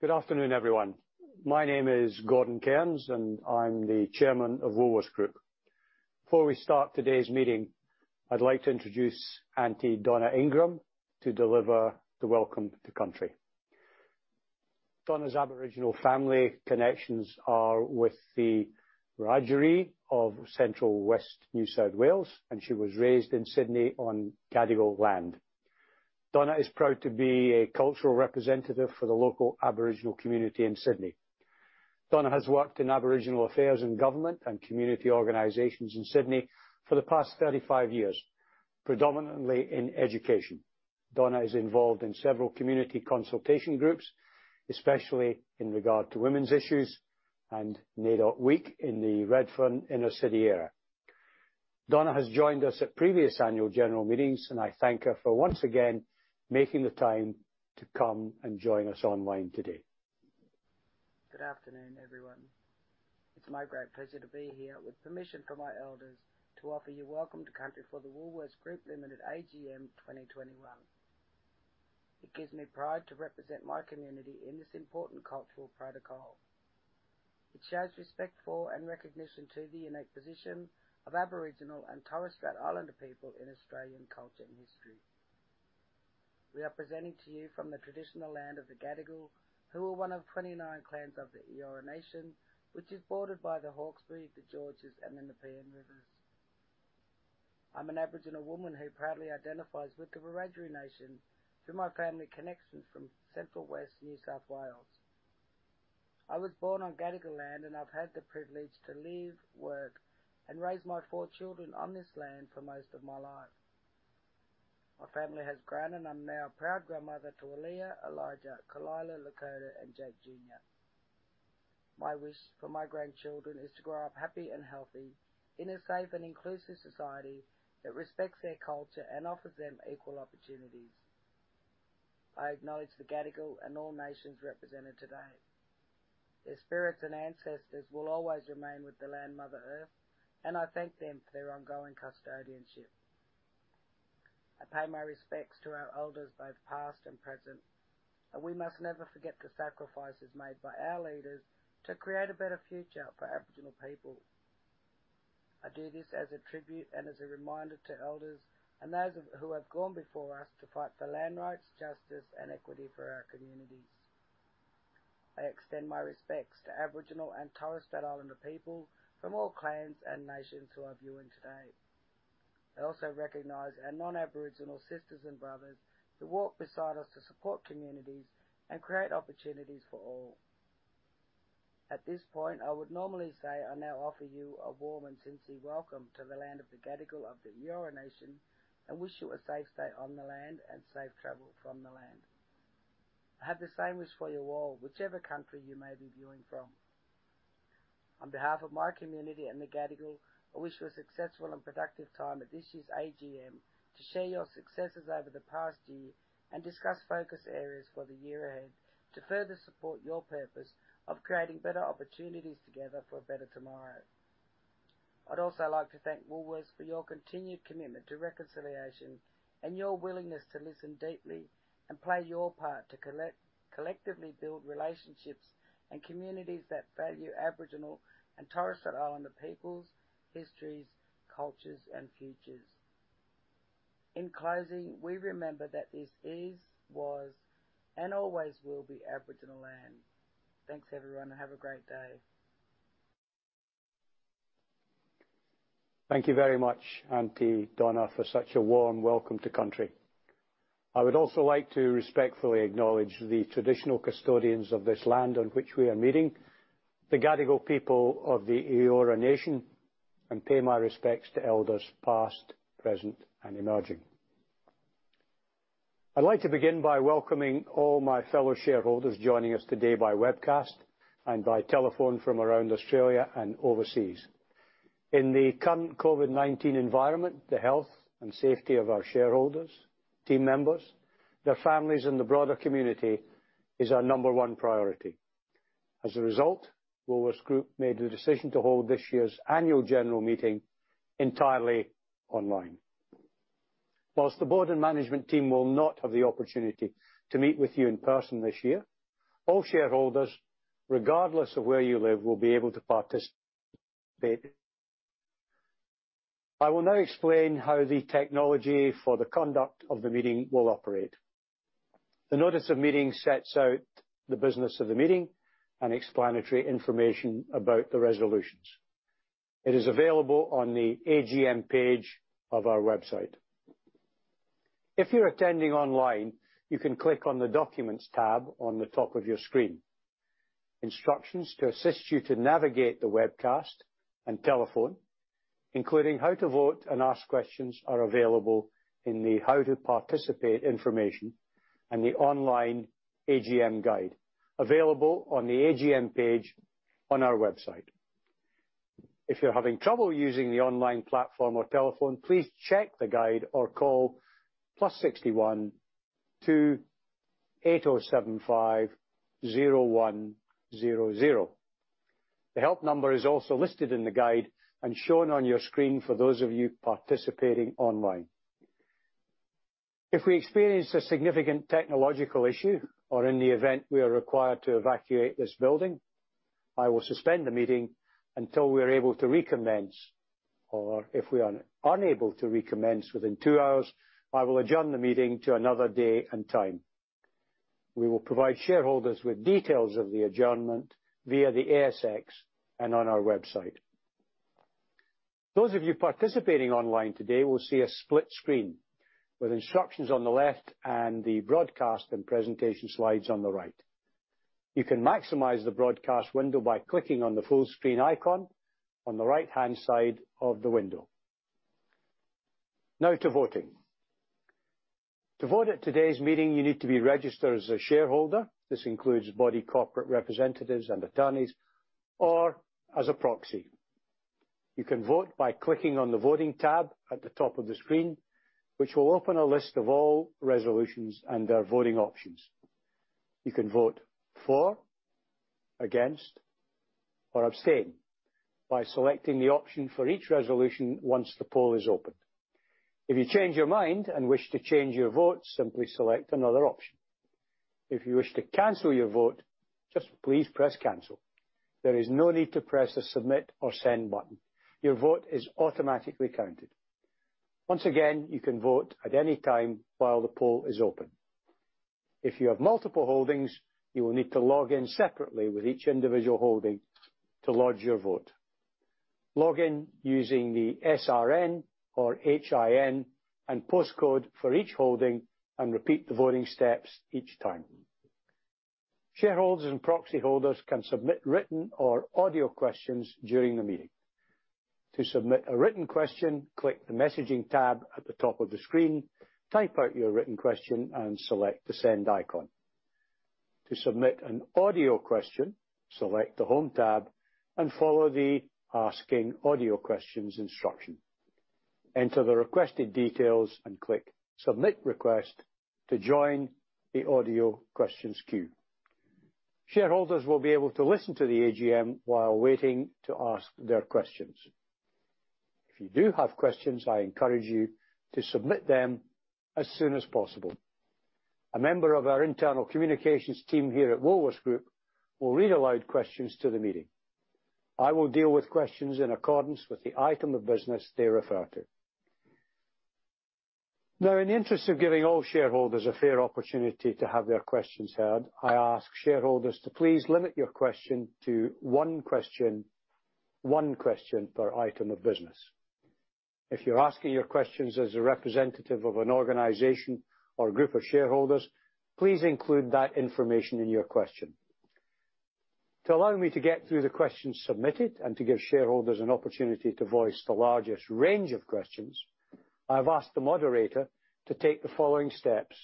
Good afternoon, everyone. My name is Gordon Cairns, and I'm the Chairman of Woolworths Group. Before we start today's meeting, I'd like to introduce Aunty Donna Ingram to deliver the welcome to country. Donna's Aboriginal family connections are with the Wiradjuri of central West New South Wales, and she was raised in Sydney on Gadigal land. Donna is proud to be a cultural representative for the local Aboriginal community in Sydney. Donna has worked in Aboriginal affairs in government and community organizations in Sydney for the past 35 years, predominantly in education. Donna is involved in several community consultation groups, especially in regard to women's issues and NAIDOC Week in the Redfern inner city area. Donna has joined us at previous annual general meetings, and I thank her for once again making the time to come and join us online today. Good afternoon, everyone. It's my great pleasure to be here with permission from my elders to offer you welcome to country for the Woolworths Group Limited AGM 2021. It gives me pride to represent my community in this important cultural protocol. It shows respect for and recognition to the innate position of Aboriginal and Torres Strait Islander people in Australian culture and history. We are presenting to you from the traditional land of the Gadigal, who are one of 29 clans of the Eora Nation, which is bordered by the Hawkesbury, the Georges, and the Nepean rivers. I'm an Aboriginal woman who proudly identifies with the Wiradjuri nation through my family connections from central West New South Wales. I was born on Gadigal land, and I've had the privilege to live, work, and raise my four children on this land for most of my life. My family has grown, and I'm now a proud grandmother to Aaliyah, Elijah, Kalila, Lakota, and Jake Jr. My wish for my grandchildren is to grow up happy and healthy in a safe and inclusive society that respects their culture and offers them equal opportunities. I acknowledge the Gadigal and all nations represented today. Their spirits and ancestors will always remain with the land, Mother Earth, and I thank them for their ongoing custodianship. I pay my respects to our elders, both past and present, and we must never forget the sacrifices made by our leaders to create a better future for Aboriginal people. I do this as a tribute and as a reminder to elders and those who have gone before us to fight for land rights, justice, and equity for our communities. I extend my respects to Aboriginal and Torres Strait Islander people from all clans and nations who are viewing today. I also recognize our non-Aboriginal sisters and brothers who walk beside us to support communities and create opportunities for all. At this point, I would normally say I now offer you a warm and sincere welcome to the land of the Gadigal of the Eora Nation and wish you a safe stay on the land and safe travel from the land. I have the same wish for you all, whichever country you may be viewing from. On behalf of my community and the Gadigal, I wish you a successful and productive time at this year's AGM, to share your successes over the past year and discuss focus areas for the year ahead to further support your purpose of creating better opportunities together for a better tomorrow. I'd also like to thank Woolworths for your continued commitment to reconciliation and your willingness to listen deeply and play your part to collectively build relationships and communities that value Aboriginal and Torres Strait Islander peoples, histories, cultures, and futures. In closing, we remember that this is, was, and always will be Aboriginal land. Thanks, everyone, and have a great day. Thank you very much, Aunty Donna, for such a warm welcome to country. I would also like to respectfully acknowledge the traditional custodians of this land on which we are meeting, the Gadigal people of the Eora Nation, and pay my respects to elders past, present, and emerging. I'd like to begin by welcoming all my fellow shareholders joining us today by webcast and by telephone from around Australia and overseas. In the current COVID-19 environment, the health and safety of our shareholders, team members, their families, and the broader community is our number one priority. As a result, Woolworths Group made the decision to hold this year's Annual General Meeting entirely online. While the board and management team will not have the opportunity to meet with you in person this year, all shareholders, regardless of where you live, will be able to participate. I will now explain how the technology for the conduct of the meeting will operate. The notice of meeting sets out the business of the meeting and explanatory information about the resolutions. It is available on the AGM page of our website. If you're attending online, you can click on the Documents tab on the top of your screen. Instructions to assist you to navigate the webcast and telephone, including how to vote and ask questions are available in the How to Participate information and the online AGM guide, available on the AGM page on our website. If you're having trouble using the online platform or telephone, please check the guide or call +61 2 8075 0100. The help number is also listed in the guide and shown on your screen for those of you participating online. If we experience a significant technological issue or in the event we are required to evacuate this building, I will suspend the meeting until we are able to recommence. If we are unable to recommence within two hours, I will adjourn the meeting to another day and time. We will provide shareholders with details of the adjournment via the ASX and on our website. Those of you participating online today will see a split screen with instructions on the left and the broadcast and presentation slides on the right. You can maximize the broadcast window by clicking on the full screen icon on the right-hand side of the window. Now to voting. To vote at today's meeting, you need to be registered as a shareholder. This includes body corporate representatives and attorneys or as a proxy. You can vote by clicking on the Voting tab at the top of the screen, which will open a list of all resolutions and their voting options. You can vote for, against, or abstain by selecting the option for each resolution once the poll is open. If you change your mind and wish to change your vote, simply select another option. If you wish to cancel your vote, just please press Cancel. There is no need to press the Submit or Send button. Your vote is automatically counted. Once again, you can vote at any time while the poll is open. If you have multiple holdings, you will need to log in separately with each individual holding to lodge your vote. Log in using the SRN or HIN and postcode for each holding and repeat the voting steps each time. Shareholders and proxy holders can submit written or audio questions during the meeting. To submit a written question, click the Messaging tab at the top of the screen, type out your written question, and select the Send icon. To submit an audio question, select the Home tab and follow the Asking Audio Questions instruction. Enter the requested details and click Submit Request to join the audio questions queue. Shareholders will be able to listen to the AGM while waiting to ask their questions. If you do have questions, I encourage you to submit them as soon as possible. A member of our internal communications team here at Woolworths Group will read aloud questions to the meeting. I will deal with questions in accordance with the item of business they refer to. Now, in the interest of giving all shareholders a fair opportunity to have their questions heard, I ask shareholders to please limit your question to one question, one question per item of business. If you're asking your questions as a representative of an organization or a group of shareholders, please include that information in your question. To allow me to get through the questions submitted and to give shareholders an opportunity to voice the largest range of questions, I've asked the moderator to take the following steps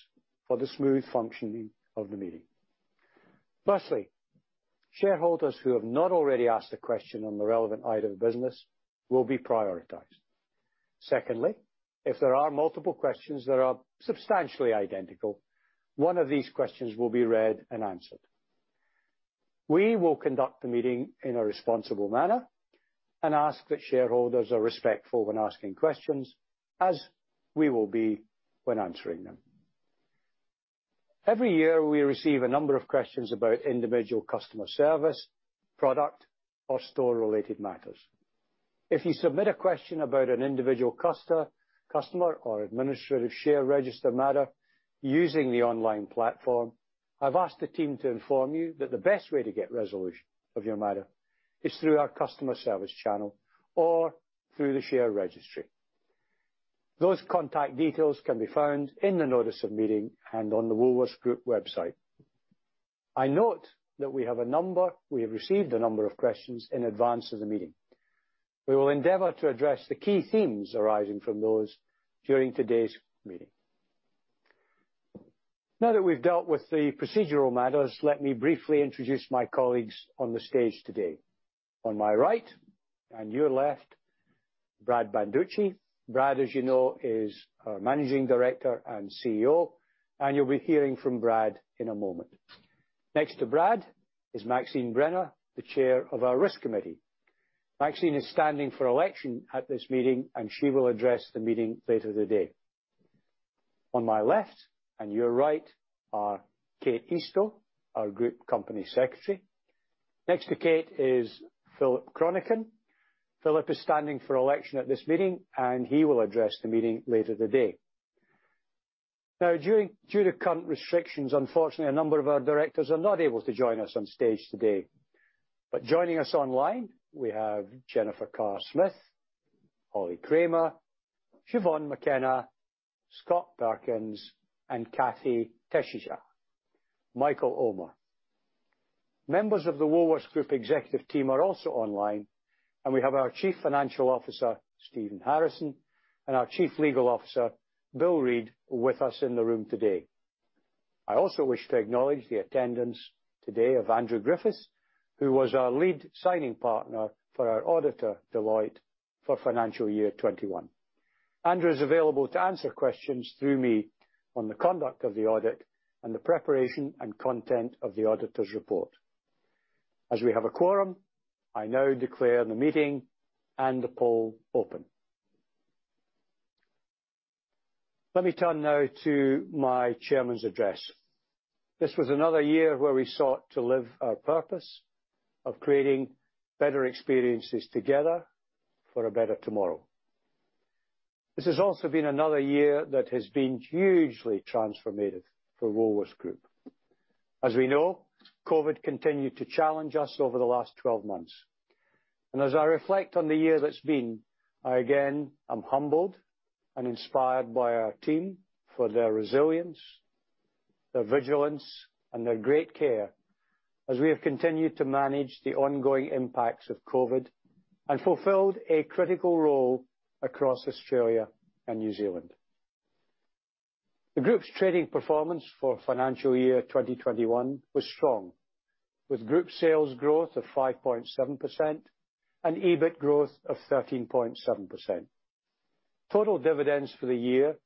for the smooth functioning of the meeting. Firstly, shareholders who have not already asked a question on the relevant item of business will be prioritized. Secondly, if there are multiple questions that are substantially identical, one of these questions will be read and answered. We will conduct the meeting in a responsible manner and ask that shareholders are respectful when asking questions as we will be when answering them. Every year, we receive a number of questions about individual customer service, product, or store-related matters. If you submit a question about an individual customer or administrative share register matter using the online platform, I've asked the team to inform you that the best way to get resolution of your matter is through our customer service channel or through the share registry. Those contact details can be found in the notice of meeting and on the Woolworths Group website. We have received a number of questions in advance of the meeting. We will endeavor to address the key themes arising from those during today's meeting. Now that we've dealt with the procedural matters, let me briefly introduce my colleagues on the stage today. On my right, on your left, Brad Banducci. Brad, as you know, is our Managing Director and CEO, and you'll be hearing from Brad in a moment. Next to Brad is Maxine Brenner, the Chair of our Risk Committee. Maxine is standing for election at this meeting, and she will address the meeting later today. On my left and your right are Kate Eastoe, our Group Company Secretary. Next to Kate is Philip Chronican. Philip is standing for election at this meeting, and he will address the meeting later today. Now, due to current restrictions, unfortunately, a number of our directors are not able to join us on stage today. Joining us online, we have Jennifer Carr-Smith, Holly Kramer, Siobhan McKenna, Scott Perkins, and Kathee Tesija, Michael Ullmer. Members of the Woolworths Group executive team are also online, and we have our Chief Financial Officer, Stephen Harrison, and our Chief Legal Officer, Bill Reid, with us in the room today. I also wish to acknowledge the attendance today of Andrew Griffiths, who was our lead signing partner for our auditor, Deloitte, for financial year 2021. Andrew is available to answer questions through me on the conduct of the audit and the preparation and content of the auditor's report. As we have a quorum, I now declare the meeting and the poll open. Let me turn now to my chairman's address. This was another year where we sought to live our purpose of creating better experiences together for a better tomorrow. This has also been another year that has been hugely transformative for Woolworths Group. As we know, COVID continued to challenge us over the last 12 months. As I reflect on the year that's been, I again am humbled and inspired by our team for their resilience, their vigilance, and their great care as we have continued to manage the ongoing impacts of COVID and fulfilled a critical role across Australia and New Zealand. The group's trading performance for financial year 2021 was strong, with group sales growth of 5.7% and EBIT growth of 13.7%. Total dividends for the year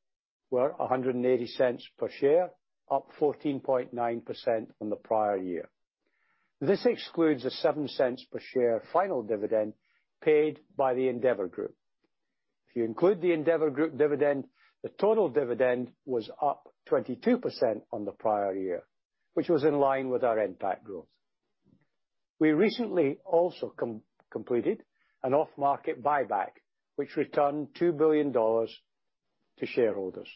were 1.80 per share, up 14.9% from the prior year. This excludes the 0.07 per share final dividend paid by the Endeavour Group. If you include the Endeavour Group dividend, the total dividend was up 22% on the prior year, which was in line with our NPAT growth. We recently also completed an off-market buyback which returned 2 billion dollars to shareholders.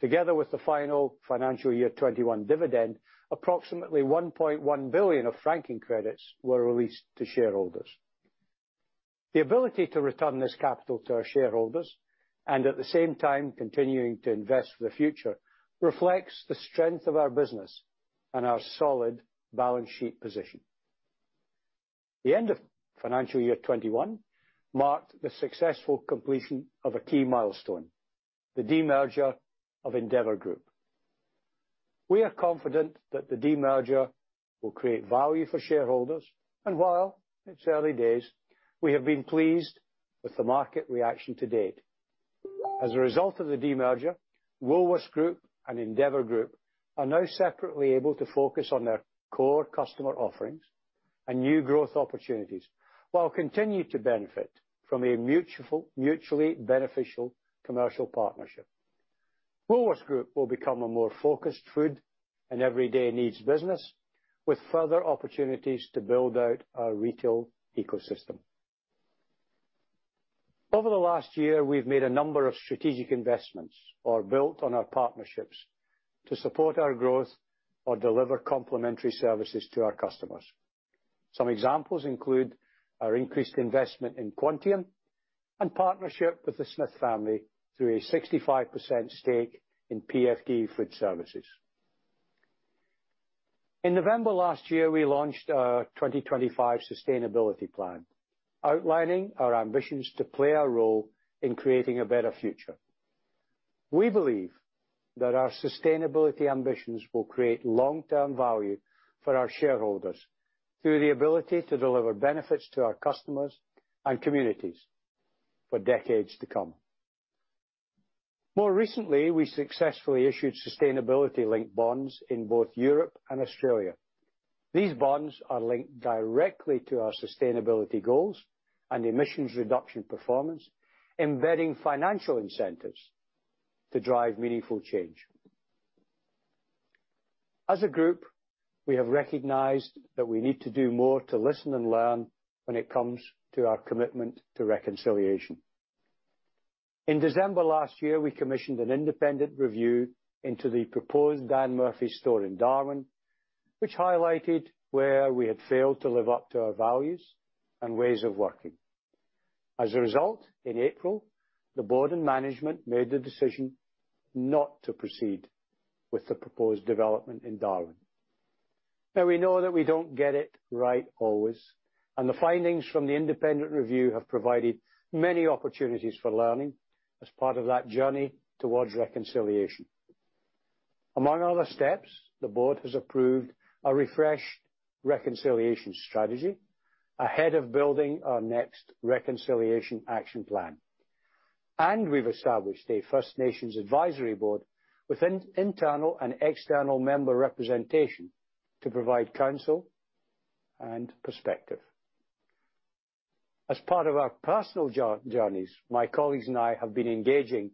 Together with the final financial year 2021 dividend, approximately 1.1 billion of franking credits were released to shareholders. The ability to return this capital to our shareholders and at the same time continuing to invest for the future reflects the strength of our business and our solid balance sheet position. The end of financial year 2021 marked the successful completion of a key milestone, the demerger of Endeavour Group. We are confident that the demerger will create value for shareholders, and while it's early days, we have been pleased with the market reaction to date. As a result of the demerger, Woolworths Group and Endeavour Group are now separately able to focus on their core customer offerings and new growth opportunities while continuing to benefit from a mutually beneficial commercial partnership. Woolworths Group will become a more focused food and everyday needs business with further opportunities to build out our retail ecosystem. Over the last year, we've made a number of strategic investments or built on our partnerships to support our growth or deliver complimentary services to our customers. Some examples include our increased investment in Quantium and partnership with the Smith family through a 65% stake in PFD Food Services. In November last year, we launched our 2025 sustainability plan, outlining our ambitions to play a role in creating a better future. We believe that our sustainability ambitions will create long-term value for our shareholders through the ability to deliver benefits to our customers and communities for decades to come. More recently, we successfully issued sustainability-linked bonds in both Europe and Australia. These bonds are linked directly to our sustainability goals and emissions reduction performance, embedding financial incentives to drive meaningful change. As a group, we have recognized that we need to do more to listen and learn when it comes to our commitment to reconciliation. In December last year, we commissioned an independent review into the proposed Dan Murphy's store in Darwin, which highlighted where we had failed to live up to our values and ways of working. As a result, in April, the board and management made the decision not to proceed with the proposed development in Darwin. Now we know that we don't get it right always, and the findings from the independent review have provided many opportunities for learning as part of that journey towards reconciliation. Among other steps, the board has approved a refreshed reconciliation strategy ahead of building our next reconciliation action plan. We've established a First Nations advisory board with internal and external member representation to provide counsel and perspective. As part of our personal journeys, my colleagues and I have been engaging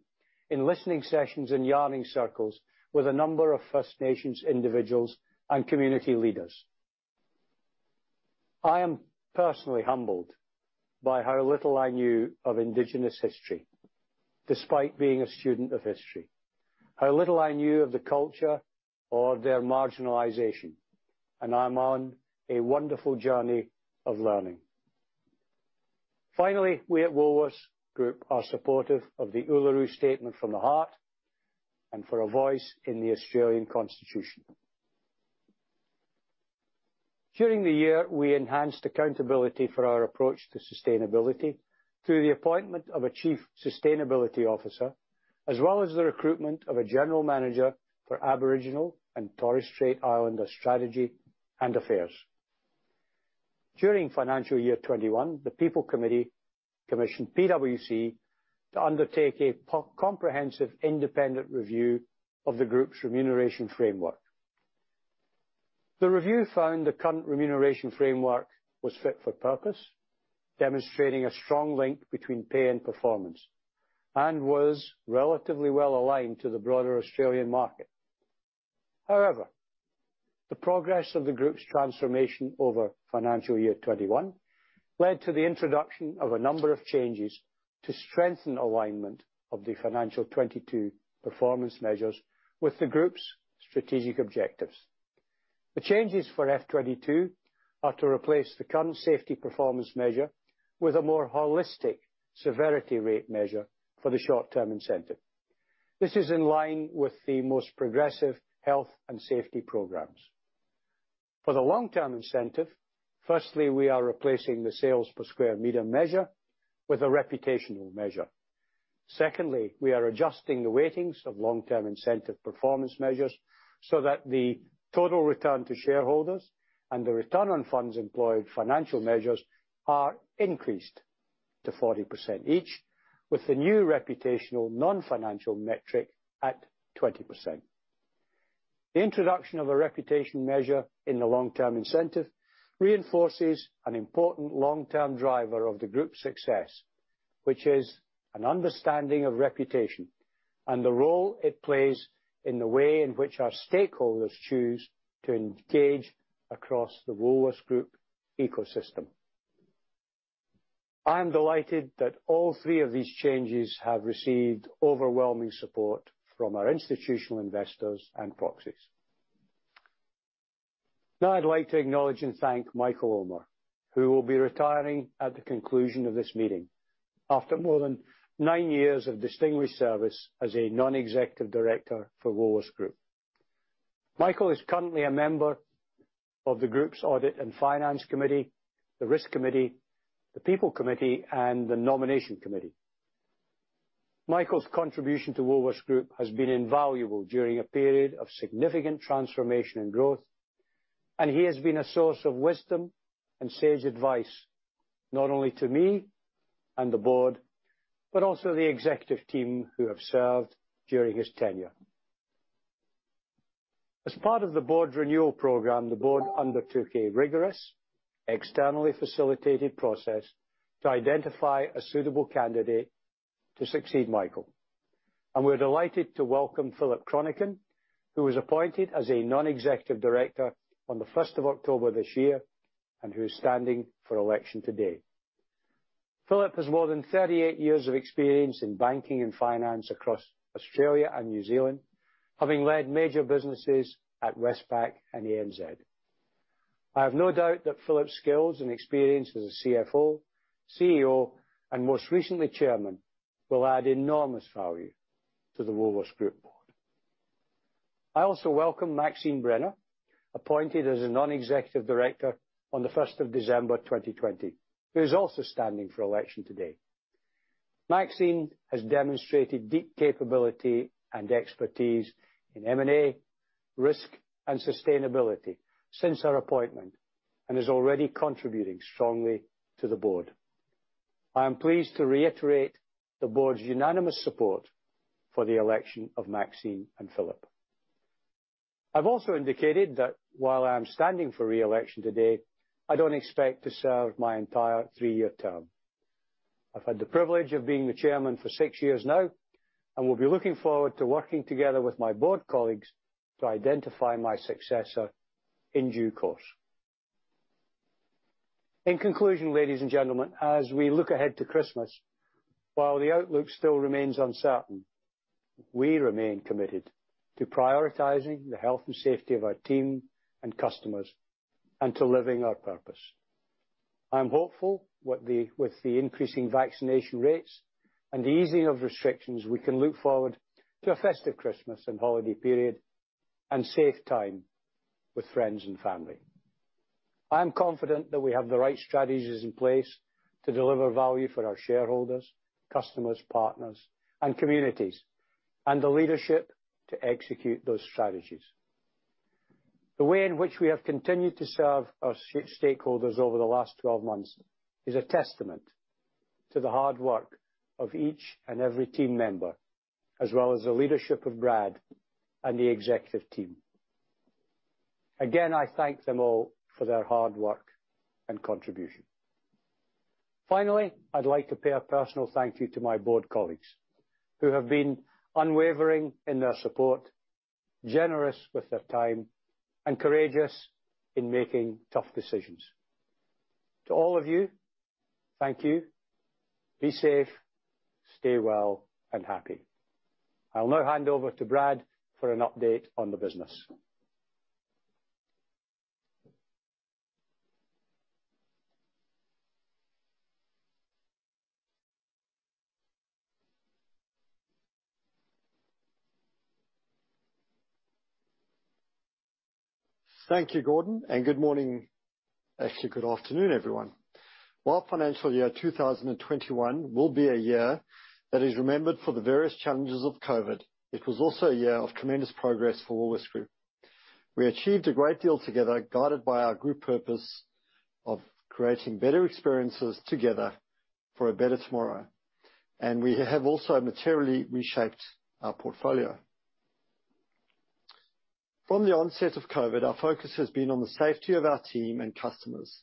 in listening sessions and yarning circles with a number of First Nations individuals and community leaders. I am personally humbled by how little I knew of Indigenous history despite being a student of history, how little I knew of the culture or their marginalization, and I'm on a wonderful journey of learning. Finally, we at Woolworths Group are supportive of the Uluru Statement from the Heart and for a voice in the Australian Constitution. During the year, we enhanced accountability for our approach to sustainability through the appointment of a chief sustainability officer, as well as the recruitment of a general manager for Aboriginal and Torres Strait Islander strategy and affairs. During financial year 2021, the people committee commissioned PwC to undertake a comprehensive independent review of the group's remuneration framework. The review found the current remuneration framework was fit for purpose, demonstrating a strong link between pay and performance, and was relatively well-aligned to the broader Australian market. However, the progress of the group's transformation over financial year 2021 led to the introduction of a number of changes to strengthen alignment of the FY 2022 performance measures with the group's strategic objectives. The changes for FY 2022 are to replace the current safety performance measure with a more holistic severity rate measure for the short-term incentive. This is in line with the most progressive health and safety programs. For the long-term incentive, firstly, we are replacing the sales per square meter measure with a reputational measure. Secondly, we are adjusting the weightings of long-term incentive performance measures so that the total return to shareholders and the return on funds employed financial measures are increased to 40% each, with the new reputational non-financial metric at 20%. The introduction of a reputation measure in the long-term incentive reinforces an important long-term driver of the group's success, which is an understanding of reputation and the role it plays in the way in which our stakeholders choose to engage across the Woolworths Group ecosystem. I am delighted that all three of these changes have received overwhelming support from our institutional investors and proxies. Now I'd like to acknowledge and thank Michael Ullmer, who will be retiring at the conclusion of this meeting after more than nine years of distinguished service as a Non-Executive Director for Woolworths Group. Michael is currently a member of the group's Audit and Finance Committee, the Risk Committee, the People Committee, and the Nomination Committee. Michael's contribution to Woolworths Group has been invaluable during a period of significant transformation and growth, and he has been a source of wisdom and sage advice, not only to me and the board, but also the executive team who have served during his tenure. As part of the board renewal program, the board undertook a rigorous, externally facilitated process to identify a suitable candidate to succeed Michael, and we're delighted to welcome Philip Chronican, who was appointed as a Non-Executive Director on the first of October this year and who is standing for election today. Philip has more than 38 years of experience in banking and finance across Australia and New Zealand, having led major businesses at Westpac and ANZ. I have no doubt that Philip's skills and experience as a CFO, CEO, and most recently, chairman, will add enormous value to the Woolworths Group board. I also welcome Maxine Brenner, appointed as a Non-Executive Director on the first of December 2020, who is also standing for election today. Maxine has demonstrated deep capability and expertise in M&A, risk, and sustainability since her appointment, and is already contributing strongly to the board. I am pleased to reiterate the board's unanimous support for the election of Maxine and Philip. I've also indicated that while I am standing for re-election today, I don't expect to serve my entire three-year term. I've had the privilege of being the chairman for six years now and will be looking forward to working together with my board colleagues to identify my successor in due course. In conclusion, ladies and gentlemen, as we look ahead to Christmas, while the outlook still remains uncertain, we remain committed to prioritizing the health and safety of our team and customers and to living our purpose. I am hopeful with the increasing vaccination rates and the easing of restrictions, we can look forward to a festive Christmas and holiday period and safe time with friends and family. I am confident that we have the right strategies in place to deliver value for our shareholders, customers, partners, and communities, and the leadership to execute those strategies. The way in which we have continued to serve our stakeholders over the last 12 months is a testament to the hard work of each and every team member, as well as the leadership of Brad and the executive team. Again, I thank them all for their hard work and contribution. Finally, I'd like to pay a personal thank you to my board colleagues, who have been unwavering in their support, generous with their time, and courageous in making tough decisions. To all of you, thank you. Be safe, stay well and happy. I'll now hand over to Brad for an update on the business. Thank you, Gordon, and good morning, actually, good afternoon, everyone. While financial year 2021 will be a year that is remembered for the various challenges of COVID, it was also a year of tremendous progress for Woolworths Group. We achieved a great deal together, guided by our group purpose of creating better experiences together for a better tomorrow, and we have also materially reshaped our portfolio. From the onset of COVID, our focus has been on the safety of our team and customers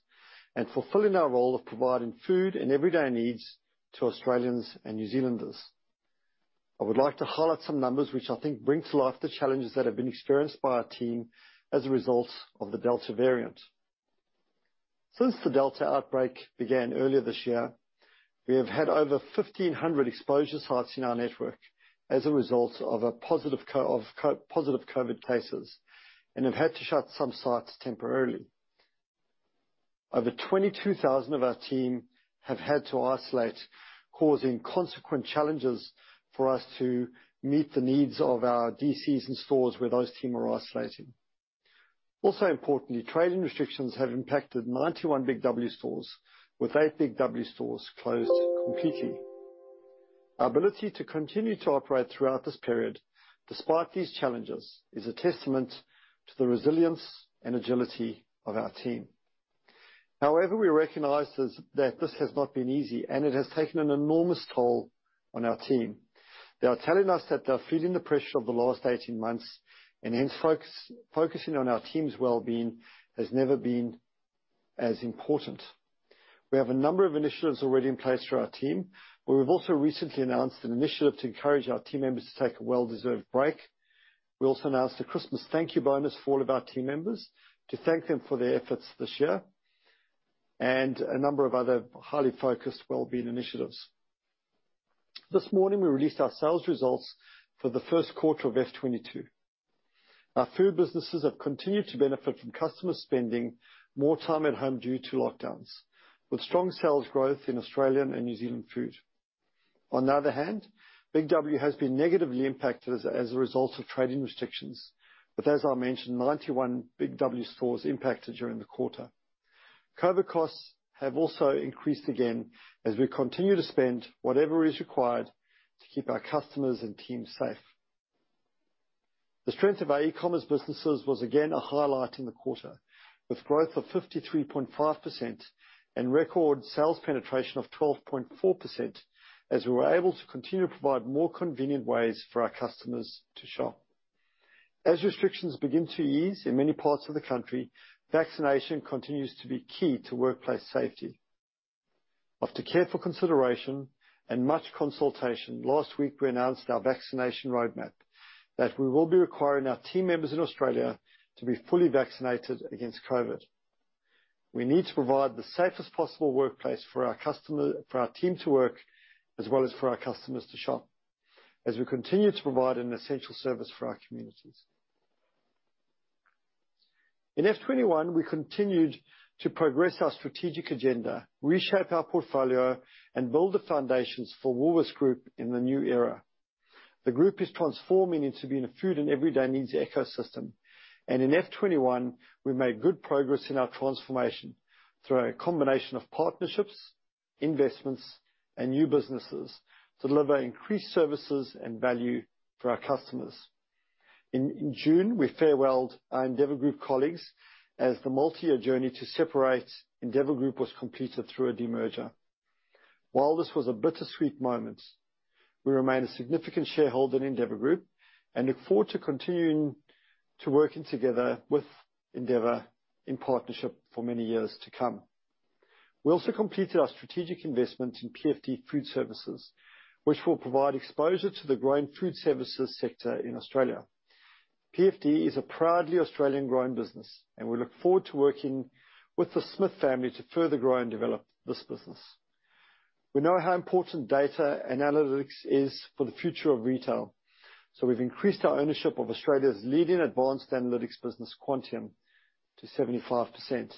and fulfilling our role of providing food and everyday needs to Australians and New Zealanders. I would like to highlight some numbers which I think bring to life the challenges that have been experienced by our team as a result of the Delta variant. Since the Delta outbreak began earlier this year, we have had over 1,500 exposure sites in our network as a result of positive COVID cases and have had to shut some sites temporarily. Over 22,000 of our team have had to isolate, causing consequent challenges for us to meet the needs of our DCs and stores where those team are isolating. Importantly, trading restrictions have impacted 91 BIG W stores, with eight BIG W stores closed completely. Our ability to continue to operate throughout this period, despite these challenges, is a testament to the resilience and agility of our team. However, we recognize that this has not been easy, and it has taken an enormous toll on our team. They are telling us that they're feeling the pressure of the last 18 months, and hence focusing on our team's wellbeing has never been as important. We have a number of initiatives already in place for our team, but we've also recently announced an initiative to encourage our team members to take a well-deserved break. We also announced a Christmas thank you bonus for all of our team members to thank them for their efforts this year and a number of other highly focused wellbeing initiatives. This morning, we released our sales results for the first quarter of FY 2022. Our food businesses have continued to benefit from customer spending more time at home due to lockdowns, with strong sales growth in Australian and New Zealand food. On the other hand, BIG W has been negatively impacted as a result of trading restrictions, with, as I mentioned, 91 BIG W stores impacted during the quarter. COVID costs have also increased again as we continue to spend whatever is required to keep our customers and team safe. The strength of our e-commerce businesses was again a highlight in the quarter, with growth of 53.5% and record sales penetration of 12.4%, as we were able to continue to provide more convenient ways for our customers to shop. As restrictions begin to ease in many parts of the country, vaccination continues to be key to workplace safety. After careful consideration and much consultation, last week we announced our vaccination roadmap that we will be requiring our team members in Australia to be fully vaccinated against COVID. We need to provide the safest possible workplace for our team to work as well as for our customers to shop, as we continue to provide an essential service for our communities. In FY 2021, we continued to progress our strategic agenda, reshape our portfolio, and build the foundations for Woolworths Group in the new era. The group is transforming into being a food and everyday needs ecosystem, and in FY 2021 we made good progress in our transformation through a combination of partnerships, investments, and new businesses to deliver increased services and value for our customers. In June, we farewelled our Endeavour Group colleagues as the multi-year journey to separate Endeavour Group was completed through a demerger. While this was a bittersweet moment, we remain a significant shareholder in Endeavour Group and look forward to continuing to work together with Endeavour in partnership for many years to come. We also completed our strategic investment in PFD Food Services, which will provide exposure to the growing food services sector in Australia. PFD is a proudly Australian-grown business, and we look forward to working with the Smith family to further grow and develop this business. We know how important data analytics is for the future of retail, so we've increased our ownership of Australia's leading advanced analytics business, Quantium, to 75%.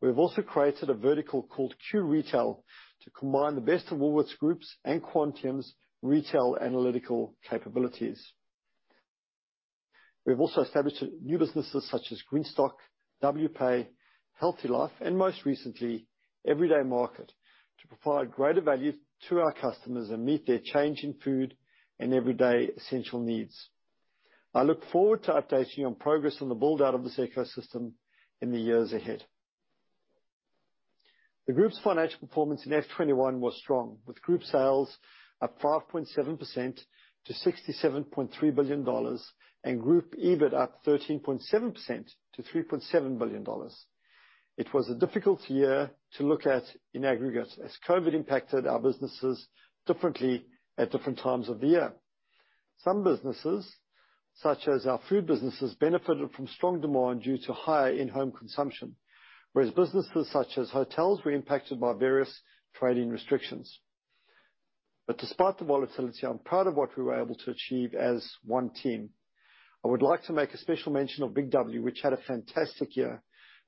We have also created a vertical called Q-Retail to combine the best of Woolworths Group's and Quantium's retail analytical capabilities. We have also established new businesses such as Greenstock, Wpay, HealthyLife, and most recently, Everyday Market, to provide greater value to our customers and meet their changing food and everyday essential needs. I look forward to updating you on progress on the build-out of this ecosystem in the years ahead. The group's financial performance in FY 2021 was strong, with group sales up 5.7% to 67.3 billion dollars and group EBIT up 13.7% to 3.7 billion dollars. It was a difficult year to look at in aggregate as COVID impacted our businesses differently at different times of the year. Some businesses, such as our food businesses, benefited from strong demand due to higher in-home consumption, whereas businesses such as hotels were impacted by various trading restrictions. Despite the volatility, I'm proud of what we were able to achieve as one team. I would like to make a special mention of BIG W, which had a fantastic year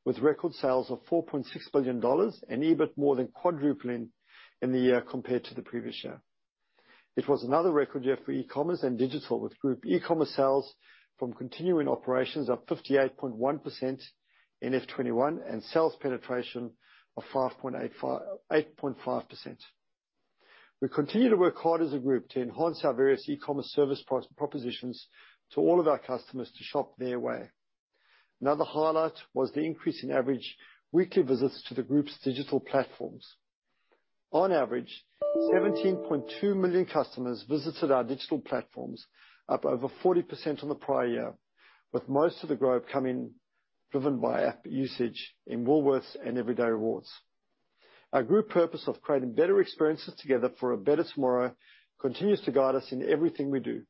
with record sales of 4.6 billion dollars and EBIT more than quadrupling in the year compared to the previous year. It was another record year for e-commerce and digital, with group e-commerce sales from continuing operations up 58.1% in FY 2021, and sales penetration of 8.5%. We continue to work hard as a group to enhance our various e-commerce service propositions to all of our customers to shop their way. Another highlight was the increase in average weekly visits to the group's digital platforms. On average, 17.2 million customers visited our digital platforms, up over 40% on the prior year, with most of the growth driven by app usage in Woolworths and Everyday Rewards. Our group purpose of creating better experiences together for a better tomorrow continues to guide us in everything we do.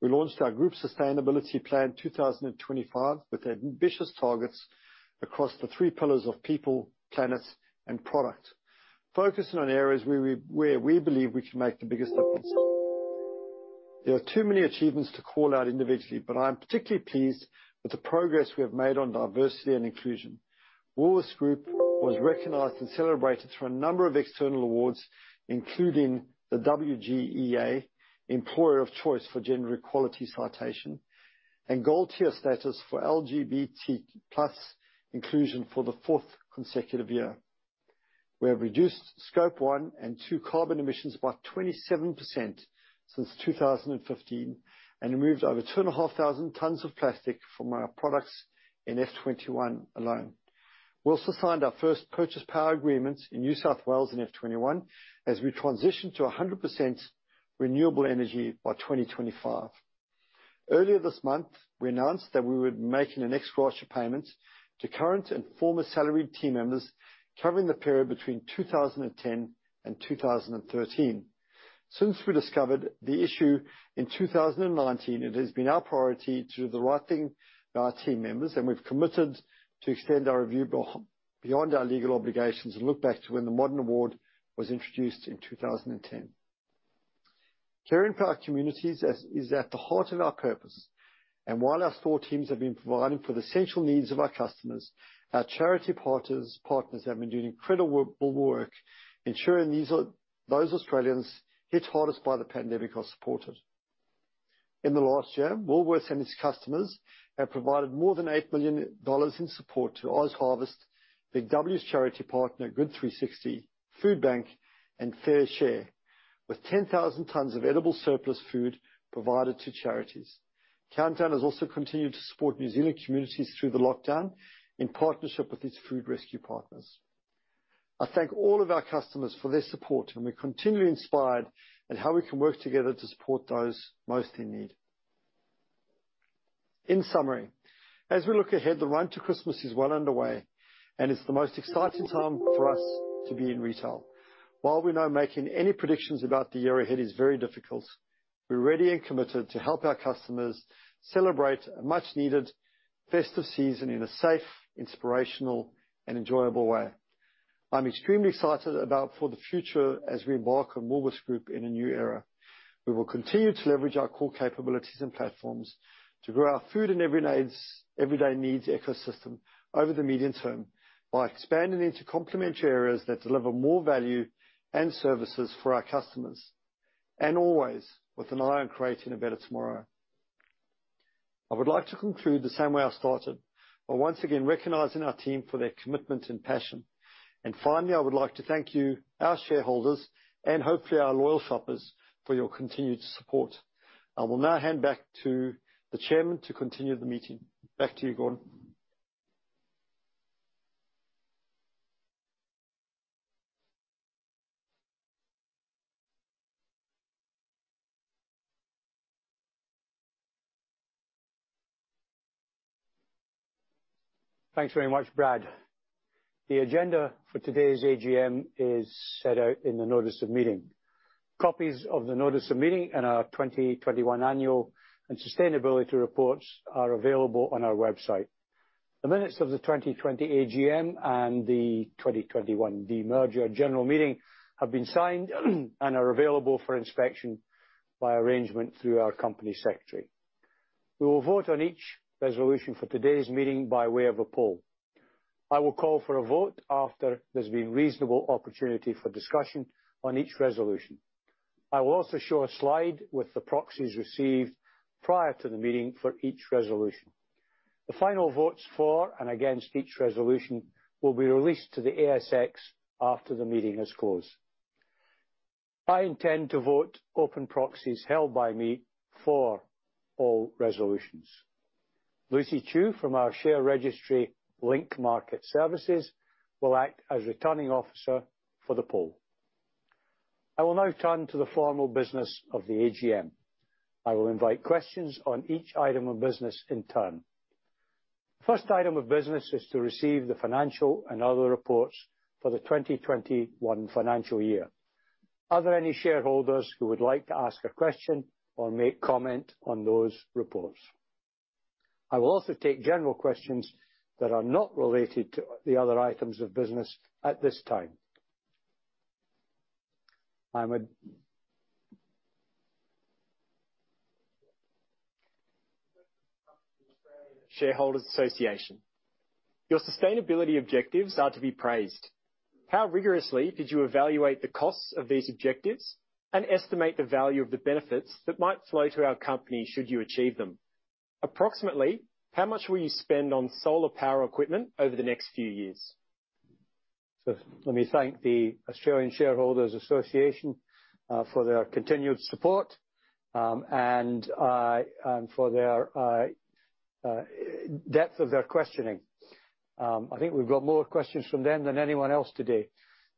We launched our Group Sustainability Plan 2025, with ambitious targets across the three pillars of people, planet, and product, focusing on areas where we believe we can make the biggest difference. There are too many achievements to call out individually, but I am particularly pleased with the progress we have made on diversity and inclusion. Woolworths Group was recognized and celebrated through a number of external awards, including the WGEA Employer of Choice for Gender Equality citation and Gold Tier status for LGBT+ Inclusion for the fourth consecutive year. We have reduced scope one and two carbon emissions by 27% since 2015, and removed over 2,500 tons of plastic from our products in FY 2021 alone. We also signed our first power purchase agreement in New South Wales in FY 2021 as we transition to 100% renewable energy by 2025. Earlier this month, we announced that we would be making an ex gratia payment to current and former salaried team members covering the period between 2010 and 2013. Since we discovered the issue in 2019, it has been our priority to do the right thing by our team members, and we've committed to extend our review beyond our legal obligations and look back to when the Modern Award was introduced in 2010. Caring for our communities is at the heart of our purpose, and while our store teams have been providing for the essential needs of our customers, our charity partners have been doing incredible work ensuring those Australians hit hardest by the pandemic are supported. In the last year, Woolworths and its customers have provided more than 8 million dollars in support to OzHarvest, BIG W's charity partner, Good360, Foodbank, and FareShare, with 10,000 tons of edible surplus food provided to charities. Countdown has also continued to support New Zealand communities through the lockdown in partnership with its food rescue partners. I thank all of our customers for their support, and we're continually inspired in how we can work together to support those most in need. In summary, as we look ahead, the run to Christmas is well underway, and it's the most exciting time for us to be in retail. While we know making any predictions about the year ahead is very difficult, we're ready and committed to help our customers celebrate a much-needed festive season in a safe, inspirational, and enjoyable way. I'm extremely excited for the future as we embark on Woolworths Group in a new era. We will continue to leverage our core capabilities and platforms to grow our food and everyday needs ecosystem over the medium term by expanding into complementary areas that deliver more value and services for our customers, and always with an eye on creating a better tomorrow. I would like to conclude the same way I started, by once again recognizing our team for their commitment and passion. Finally, I would like to thank you, our shareholders, and hopefully our loyal shoppers, for your continued support. I will now hand back to the Chairman to continue the meeting. Back to you, Gordon. Thanks very much, Brad. The agenda for today's AGM is set out in the notice of meeting. Copies of the notice of meeting and our 2021 annual and sustainability reports are available on our website. The minutes of the 2020 AGM and the 2021 demerger general meeting have been signed and are available for inspection by arrangement through our company secretary. We will vote on each resolution for today's meeting by way of a poll. I will call for a vote after there's been reasonable opportunity for discussion on each resolution. I will also show a slide with the proxies received prior to the meeting for each resolution. The final votes for and against each resolution will be released to the ASX after the meeting has closed. I intend to vote open proxies held by me for all resolutions. Lucy Chu from our share registry, Link Market Services, will act as Returning Officer for the poll. I will now turn to the formal business of the AGM. I will invite questions on each item of business in turn. The first item of business is to receive the financial and other reports for the 2021 financial year. Are there any shareholders who would like to ask a question or make comment on those reports? I will also take general questions that are not related to the other items of business at this time. I would- Australian Shareholders' Association. Your sustainability objectives are to be praised. How rigorously did you evaluate the costs of these objectives and estimate the value of the benefits that might flow to our company should you achieve them? Approximately how much will you spend on solar power equipment over the next few years? Let me thank the Australian Shareholders' Association for their continued support and for the depth of their questioning. I think we've got more questions from them than anyone else today.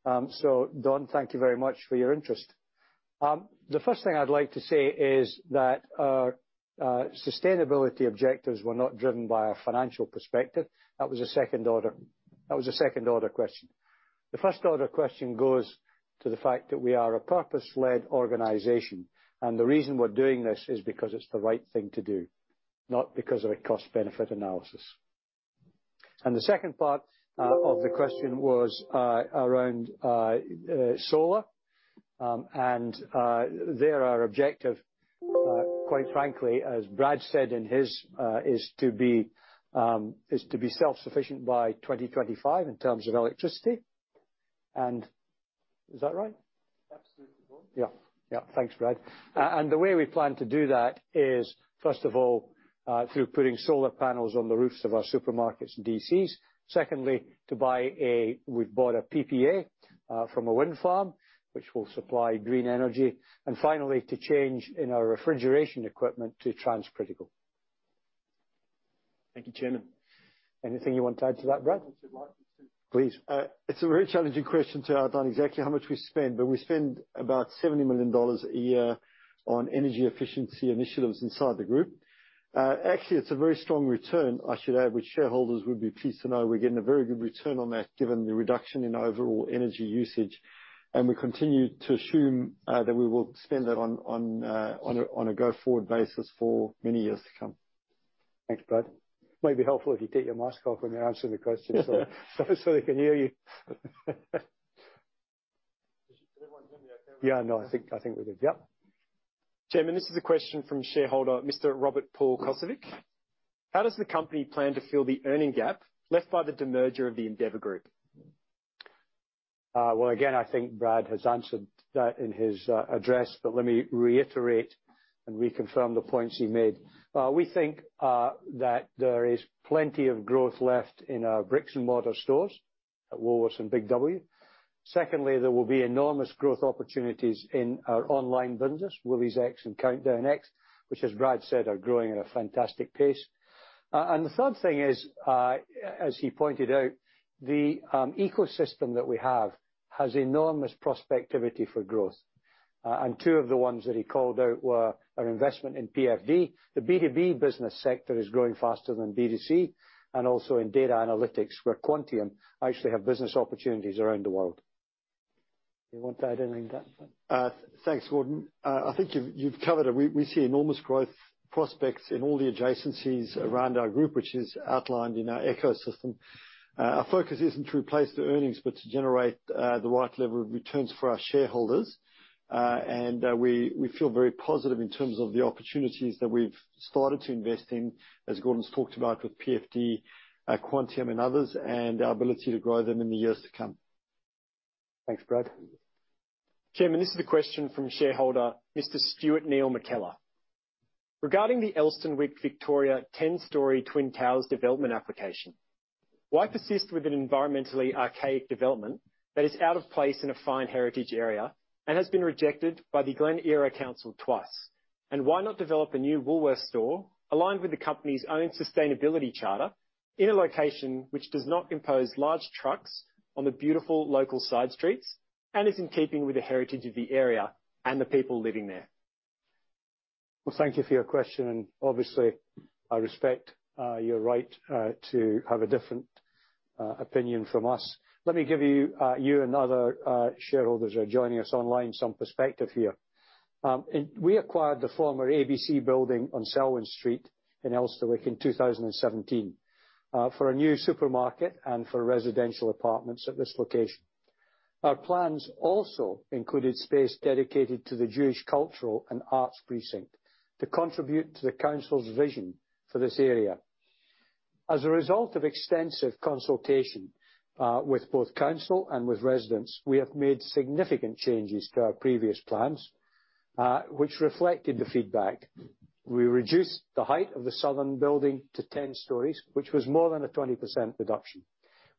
Don, thank you very much for your interest. The first thing I'd like to say is that our sustainability objectives were not driven by a financial perspective. That was a second order question. The first order question goes to the fact that we are a purpose-led organization, and the reason we're doing this is because it's the right thing to do, not because of a cost-benefit analysis. The second part of the question was around solar. There, our objective, quite frankly, as Brad said in his, is to be self-sufficient by 2025 in terms of electricity. Is that right? Absolutely. Thanks, Brad. The way we plan to do that is, first of all, through putting solar panels on the roofs of our supermarkets and DCs. Secondly, we've bought a PPA from a wind farm which will supply green energy. Finally, to change our refrigeration equipment to transcritical. Thank you, Chairman. Anything you want to add to that, Brad? If you'd like me to. Please. It's a very challenging question to outline exactly how much we spend, but we spend about 70 million dollars a year on energy efficiency initiatives inside the group. Actually it's a very strong return I should add, which shareholders would be pleased to know we're getting a very good return on that given the reduction in overall energy usage. We continue to assume that we will spend that on a go-forward basis for many years to come. Thanks, Brad. It might be helpful if you take your mask off when you're answering the questions so they can hear you. Can everyone hear me okay? Yeah, no, I think we did. Yep. Chairman, this is a question from shareholder Mr. Robert Paul Kosovich. How does the company plan to fill the earning gap left by the demerger of the Endeavour Group? Well, again, I think Brad has answered that in his address, but let me reiterate and reconfirm the points he made. We think that there is plenty of growth left in our bricks and mortar stores at Woolworths and BIG W. Secondly, there will be enormous growth opportunities in our online business, WooliesX and CountdownX, which as Brad said, are growing at a fantastic pace. The third thing is, as he pointed out, the ecosystem that we have has enormous prospectivity for growth. Two of the ones that he called out were our investment in PFD. The B2B business sector is growing faster than B2C, and also in data analytics, where Quantium actually have business opportunities around the world. Do you want to add anything to that? Thanks, Gordon. I think you've covered. We see enormous growth prospects in all the adjacencies around our group, which is outlined in our ecosystem. Our focus isn't to replace the earnings, but to generate the right level of returns for our shareholders. We feel very positive in terms of the opportunities that we've started to invest in as Gordon's talked about with PFD, Quantium and others, and our ability to grow them in the years to come. Thanks, Brad. Chairman, this is a question from shareholder Mr. Stuart Neil McKellar. Regarding the Elsternwick, Victoria 10-story twin towers development application, why persist with an environmentally archaic development that is out of place in a fine heritage area and has been rejected by the Glen Eira Council twice? Why not develop a new Woolworths store aligned with the company's own sustainability charter in a location which does not impose large trucks on the beautiful local side streets and is in keeping with the heritage of the area and the people living there? Well, thank you for your question, and obviously, I respect your right to have a different opinion from us. Let me give you you and other shareholders who are joining us online some perspective here. We acquired the former ABC building on Selwyn Street in Elsternwick in 2017 for a new supermarket and for residential apartments at this location. Our plans also included space dedicated to the Jewish Cultural and Arts Precinct to contribute to the council's vision for this area. As a result of extensive consultation with both council and with residents, we have made significant changes to our previous plans which reflected the feedback. We reduced the height of the southern building to 10 stories, which was more than a 20% reduction.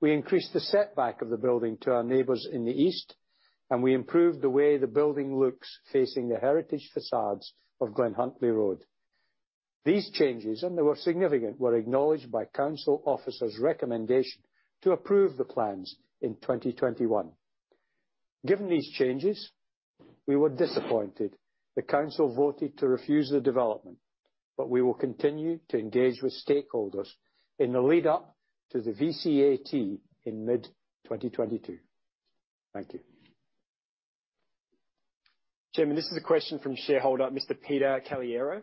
We increased the setback of the building to our neighbors in the east, and we improved the way the building looks facing the heritage facades of Glenhuntly Road. These changes, and they were significant, were acknowledged by council officers' recommendation to approve the plans in 2021. Given these changes, we were disappointed the council voted to refuse the development, but we will continue to engage with stakeholders in the lead-up to the VCAT in mid-2022. Thank you. Chairman, this is a question from shareholder Mr. Peter Caliendo.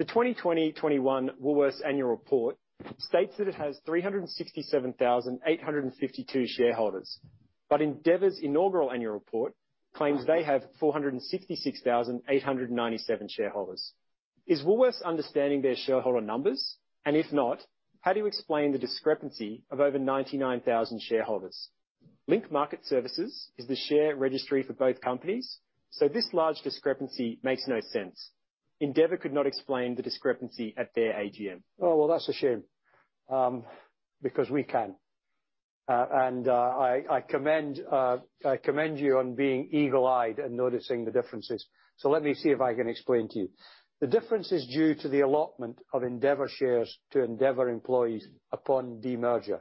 The 2021 Woolworths annual report states that it has 367,852 shareholders. Endeavour's inaugural annual report claims they have 466,897 shareholders. Is Woolworths misunderstanding their shareholder numbers? And if not, how do you explain the discrepancy of over 99,000 shareholders? Link Market Services is the share registry for both companies, so this large discrepancy makes no sense. Endeavour could not explain the discrepancy at their AGM. Oh, well, that's a shame, because we can. I commend you on being eagle-eyed and noticing the differences. Let me see if I can explain to you. The difference is due to the allotment of Endeavour shares to Endeavour employees upon demerger.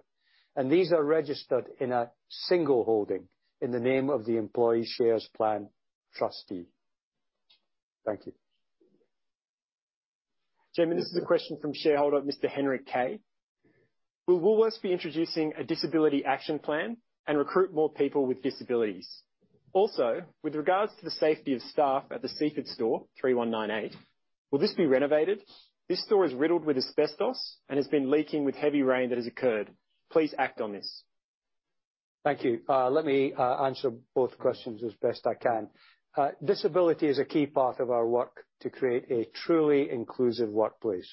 These are registered in a single holding in the name of the employee shares plan trustee. Thank you. Chairman, this is a question from shareholder Mr. Henry K. Will Woolworths be introducing a disability action plan and recruit more people with disabilities? Also, with regards to the safety of staff at the Seaford store 3198, will this be renovated? This store is riddled with asbestos and has been leaking with heavy rain that has occurred. Please act on this. Thank you, let me answer both questions as best I can. Disability is a key part of our work to create a truly inclusive workplace,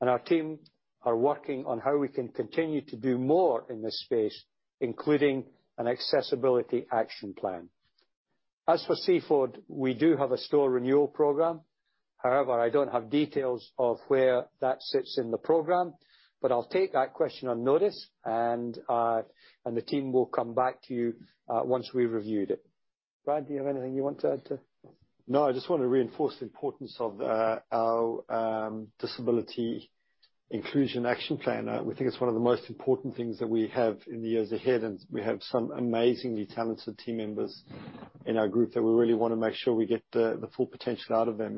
and our team are working on how we can continue to do more in this space, including an accessibility action plan. As for Seaford, we do have a store renewal program. However, I don't have details of where that sits in the program, but I'll take that question on notice and the team will come back to you once we've reviewed it. Brad, do you have anything you want to add. No, I just want to reinforce the importance of our disability inclusion action plan. We think it's one of the most important things that we have in the years ahead, and we have some amazingly talented team members in our group that we really wanna make sure we get the full potential out of them.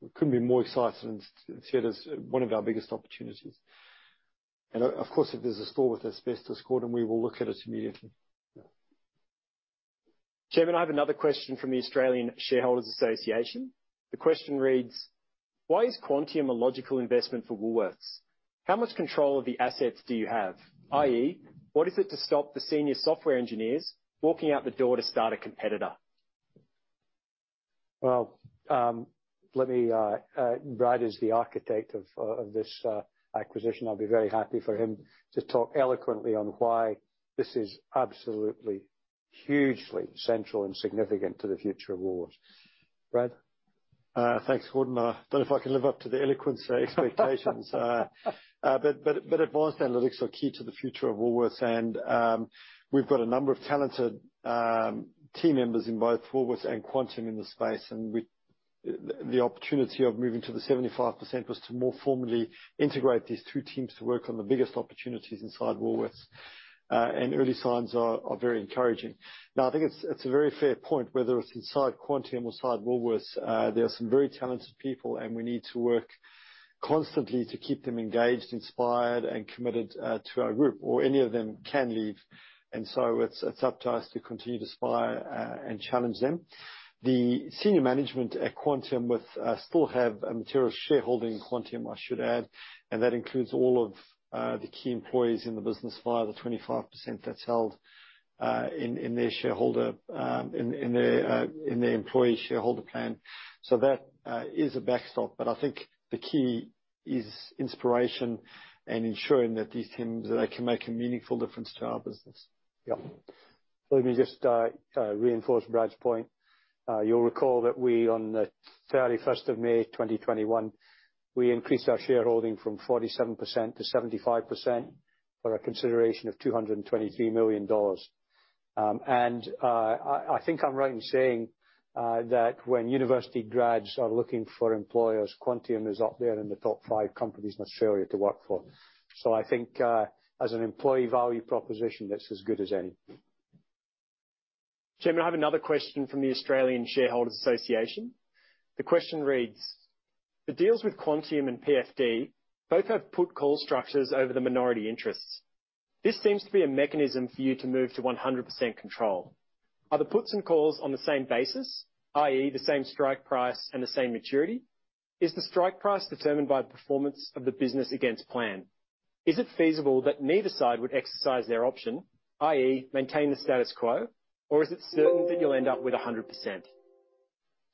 We couldn't be more excited and see it as one of our biggest opportunities. Of course, if there's a store with asbestos, Gordon, we will look at it immediately. Yeah. Chairman, I have another question from the Australian Shareholders' Association. The question reads: Why is Quantium a logical investment for Woolworths? How much control of the assets do you have? i.e., what is it to stop the senior software engineers walking out the door to start a competitor? Brad is the architect of this acquisition. I'll be very happy for him to talk eloquently on why this is absolutely hugely central and significant to the future of Woolworths. Brad? Thanks, Gordon. I don't know if I can live up to the eloquence expectations. Advanced analytics are key to the future of Woolworths and we've got a number of talented team members in both Woolworths and Quantium in this space, and the opportunity of moving to the 75% was to more formally integrate these two teams to work on the biggest opportunities inside Woolworths. Early signs are very encouraging. Now, I think it's a very fair point, whether it's inside Quantium or inside Woolworths, there are some very talented people, and we need to work constantly to keep them engaged, inspired, and committed to our group or any of them can leave. It's up to us to continue to inspire and challenge them. The senior management at Quantium still have a material shareholding in Quantium, I should add, and that includes all of the key employees in the business via the 25% that's held in their employee shareholder plan. That is a backstop, but I think the key is inspiration and ensuring that these teams they can make a meaningful difference to our business. Yeah. Let me just reinforce Brad's point. You'll recall that we, on the 31st of May 2021, increased our shareholding from 47% to 75% for a consideration of 223 million dollars. I think I'm right in saying that when university grads are looking for employers, Quantium is up there in the top five companies in Australia to work for. I think as an employee value proposition, that's as good as any. Chairman, I have another question from the Australian Shareholders' Association. The question reads: The deals with Quantium and PFD both have put call structures over the minority interests. This seems to be a mechanism for you to move to 100% control. Are the puts and calls on the same basis, i.e., the same strike price and the same maturity? Is the strike price determined by performance of the business against plan? Is it feasible that neither side would exercise their option, i.e., maintain the status quo? Or is it certain that you'll end up with 100%?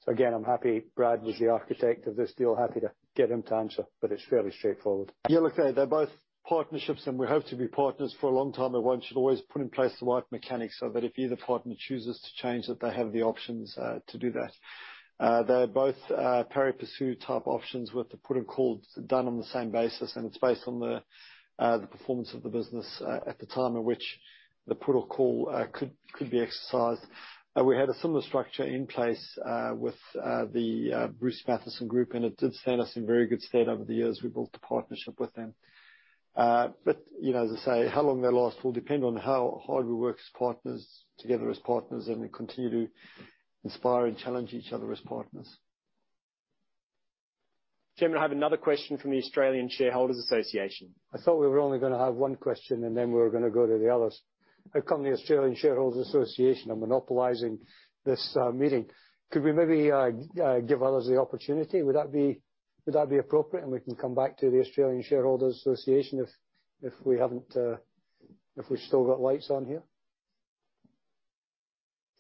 Again, I'm happy Brad was the architect of this deal. Happy to get him to answer, but it's fairly straightforward. Yeah, look, they're both partnerships, and we hope to be partners for a long time. One should always put in place the right mechanics so that if either partner chooses to change that they have the options to do that. They're both pari passu type options with the put and calls done on the same basis, and it's based on the performance of the business at the time at which the put or call could be exercised. We had a similar structure in place with the Bruce Mathieson Group, and it did stand us in very good stead over the years we built the partnership with them. You know, as I say, how long they last will depend on how hard we work as partners, together as partners, and continue to inspire and challenge each other as partners. Chairman, I have another question from the Australian Shareholders' Association. I thought we were only gonna have one question and then we were gonna go to the others. Here come the Australian Shareholders' Association are monopolizing this meeting. Could we maybe give others the opportunity? Would that be appropriate? We can come back to the Australian Shareholders' Association if we haven't if we've still got lights on here.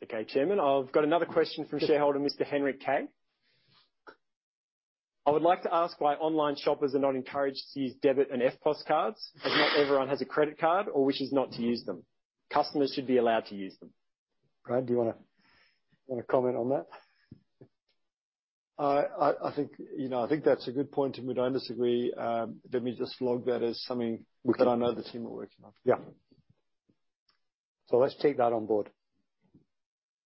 Okay, Chairman. I've got another question from shareholder Mr. Henrik Kag. I would like to ask why online shoppers are not encouraged to use debit and EFTPOS cards, as not everyone has a credit card or wishes not to use them. Customers should be allowed to use them. Brad, do you wanna comment on that? I think, you know, I think that's a good point, and we don't disagree. Let me just log that as something that I know the team are working on. Yeah. Let's take that on board.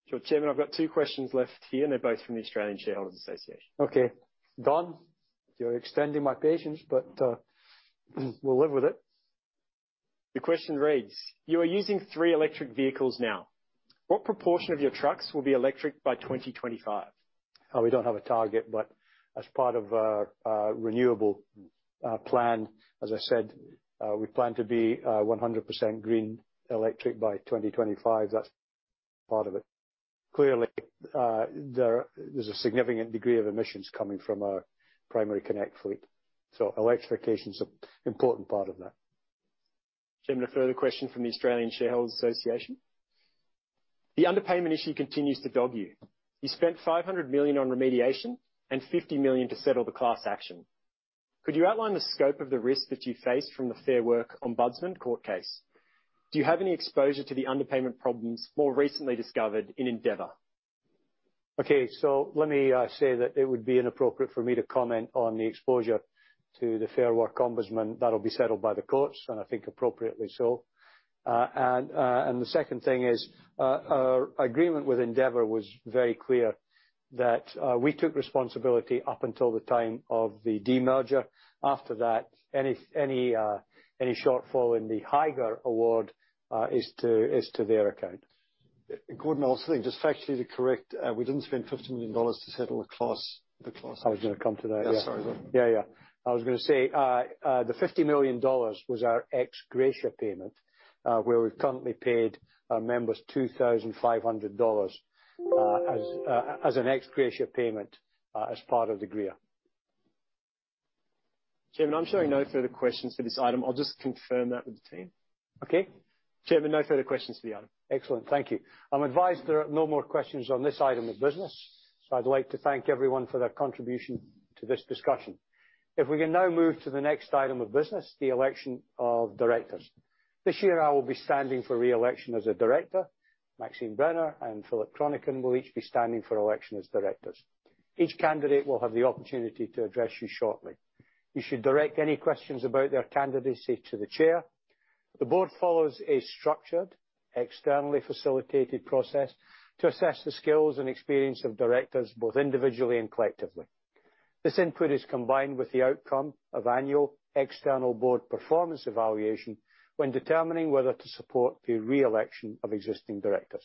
Sure. Chairman, I've got two questions left here, and they're both from the Australian Shareholders' Association. Okay. Don, you're extending my patience, but we'll live with it. The question reads: "You are using three electric vehicles now. What proportion of your trucks will be electric by 2025? We don't have a target, but as part of our renewable plan, as I said, we plan to be 100% green electric by 2025. That's part of it. Clearly, there's a significant degree of emissions coming from our Primary Connect fleet, so electrification's an important part of that. Chairman, a further question from the Australian Shareholders' Association. "The underpayment issue continues to dog you. You spent 500 million on remediation and 50 million to settle the class action. Could you outline the scope of the risk that you face from the Fair Work Ombudsman court case? Do you have any exposure to the underpayment problems more recently discovered in Endeavour? Okay, let me say that it would be inappropriate for me to comment on the exposure to the Fair Work Ombudsman. That'll be settled by the courts, and I think appropriately so. The second thing is, our agreement with Endeavour was very clear that we took responsibility up until the time of the demerger. After that, any shortfall in the higher award is to their account. Gordon, I'll just say, just factually to correct, we didn't spend 50 million dollars to settle the class action. I was gonna come to that. Yeah, sorry. Yeah, yeah. I was gonna say, the 50 million dollars was our ex gratia payment, where we've currently paid our members 2,500 dollars, as an ex gratia payment, as part of the agreement. Chairman, I'm showing no further questions for this item. I'll just confirm that with the team. Okay. Chairman, no further questions for the item. Excellent. Thank you. I'm advised there are no more questions on this item of business, so I'd like to thank everyone for their contribution to this discussion. If we can now move to the next item of business, the election of directors. This year, I will be standing for re-election as a director. Maxine Brenner and Philip Chronican will each be standing for election as directors. Each candidate will have the opportunity to address you shortly. You should direct any questions about their candidacy to the chair. The board follows a structured, externally facilitated process to assess the skills and experience of directors, both individually and collectively. This input is combined with the outcome of annual external board performance evaluation when determining whether to support the re-election of existing directors.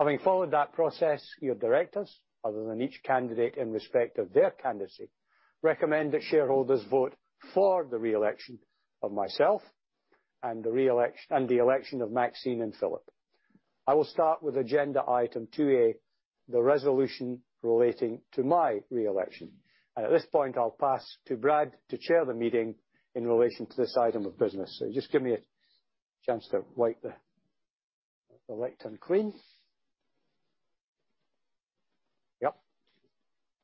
Having followed that process, your directors, other than each candidate in respect of their candidacy, recommend that shareholders vote for the re-election of myself and the re-election and the election of Maxine and Philip. I will start with agenda item 2A, the resolution relating to my re-election. At this point, I'll pass to Brad to chair the meeting in relation to this item of business. Just give me a chance to wipe the slate clean. Yep.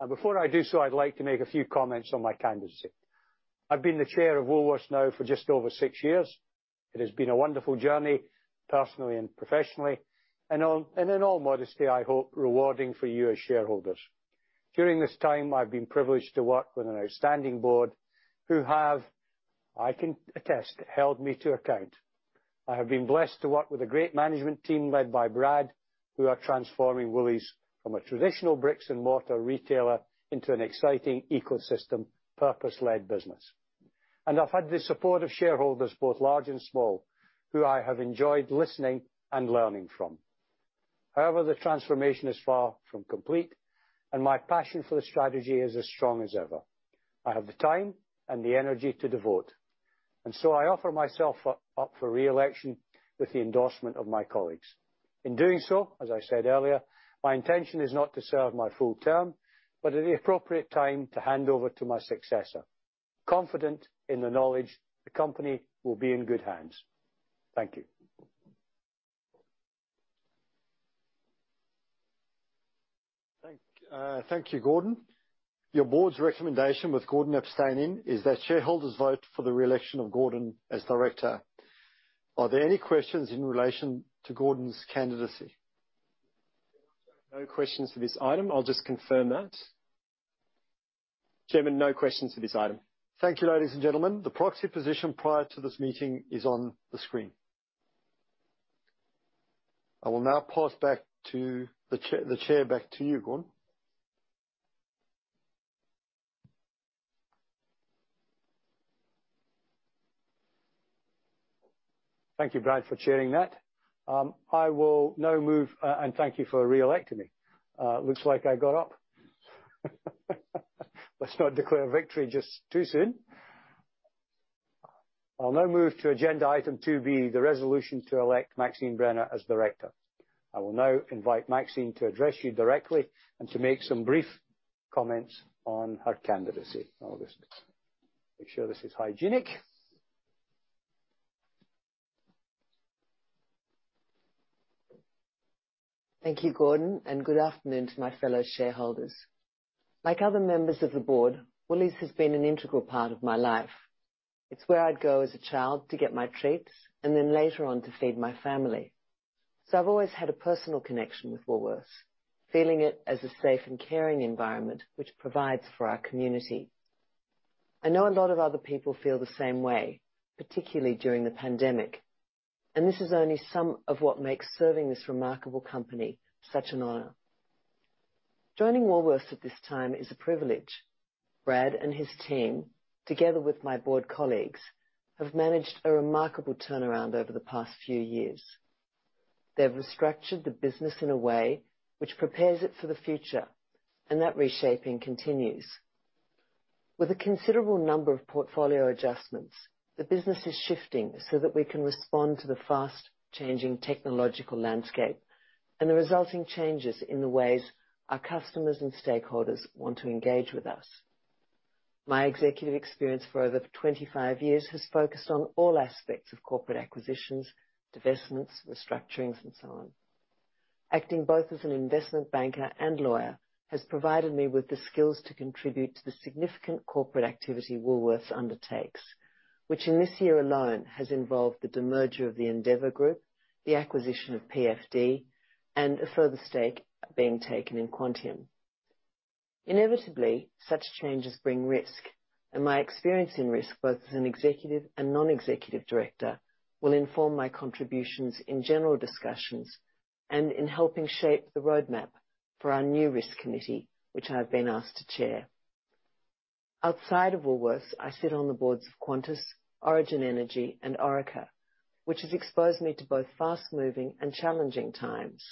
Before I do so, I'd like to make a few comments on my candidacy. I've been the chair of Woolworths now for just over six years. It has been a wonderful journey, personally and professionally, and in all modesty, I hope, rewarding for you as shareholders. During this time, I've been privileged to work with an outstanding board who have, I can attest, held me to account. I have been blessed to work with a great management team led by Brad, who are transforming Woolies from a traditional bricks and mortar retailer into an exciting ecosystem, purpose-led business. I've had the support of shareholders, both large and small, who I have enjoyed listening and learning from. However, the transformation is far from complete, and my passion for the strategy is as strong as ever. I have the time and the energy to devote, and so I offer myself up for re-election with the endorsement of my colleagues. In doing so, as I said earlier, my intention is not to serve my full term, but at the appropriate time to hand over to my successor, confident in the knowledge the company will be in good hands. Thank you. Thank you, Gordon. Your board's recommendation, with Gordon abstaining, is that shareholders vote for the re-election of Gordon as director. Are there any questions in relation to Gordon's candidacy? No questions for this item. I'll just confirm that. Chairman, no questions for this item. Thank you, ladies and gentlemen. The proxy position prior to this meeting is on the screen. I will now pass the chair back to you, Gordon. Thank you, Brad, for chairing that. I will now move. Thank you for re-electing me. Looks like I got up. Let's not declare victory just too soon. I'll now move to agenda item 2B, the resolution to elect Maxine Brenner as director. I will now invite Maxine to address you directly and to make some brief comments on her candidacy. I'll just make sure this is hygienic. Thank you, Gordon, and good afternoon to my fellow shareholders. Like other members of the board, Woolies has been an integral part of my life. It's where I'd go as a child to get my treats, and then later on, to feed my family. I've always had a personal connection with Woolworths, feeling it as a safe and caring environment which provides for our community. I know a lot of other people feel the same way, particularly during the pandemic, and this is only some of what makes serving this remarkable company such an honor. Joining Woolworths at this time is a privilege. Brad and his team, together with my board colleagues, have managed a remarkable turnaround over the past few years. They've restructured the business in a way which prepares it for the future, and that reshaping continues. With a considerable number of portfolio adjustments, the business is shifting so that we can respond to the fast-changing technological landscape and the resulting changes in the ways our customers and stakeholders want to engage with us. My executive experience for over 25 years has focused on all aspects of corporate acquisitions, divestments, restructurings, and so on. Acting both as an investment banker and lawyer has provided me with the skills to contribute to the significant corporate activity Woolworths undertakes, which in this year alone has involved the demerger of the Endeavour Group, the acquisition of PFD, and a further stake being taken in Quantium. Inevitably, such changes bring risk, and my experience in risk, both as an executive and non-executive director, will inform my contributions in general discussions and in helping shape the roadmap for our new risk committee, which I have been asked to chair. Outside of Woolworths, I sit on the boards of Qantas, Origin Energy, and Orica, which has exposed me to both fast-moving and challenging times.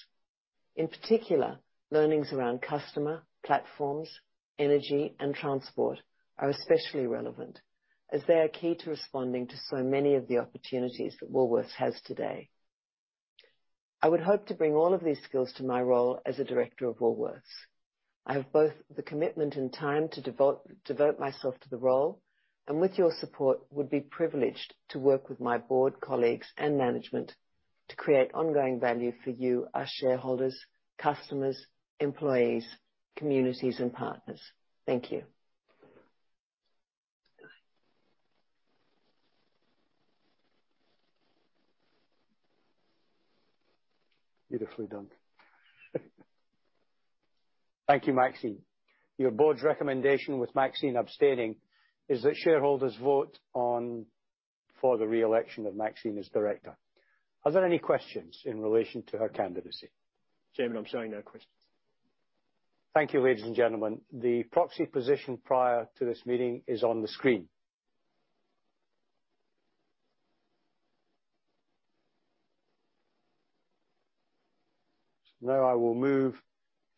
In particular, learnings around customer, platforms, energy, and transport are especially relevant as they are key to responding to so many of the opportunities that Woolworths has today. I would hope to bring all of these skills to my role as a director of Woolworths. I have both the commitment and time to devote myself to the role and with your support, would be privileged to work with my board colleagues and management to create ongoing value for you, our shareholders, customers, employees, communities, and partners. Thank you. Beautifully done. Thank you, Maxine. Your Board's recommendation, with Maxine abstaining, is that shareholders vote for the re-election of Maxine as director. Are there any questions in relation to her candidacy? Chairman, I'm showing no questions. Thank you, ladies and gentlemen. The proxy position prior to this meeting is on the screen. Now I will move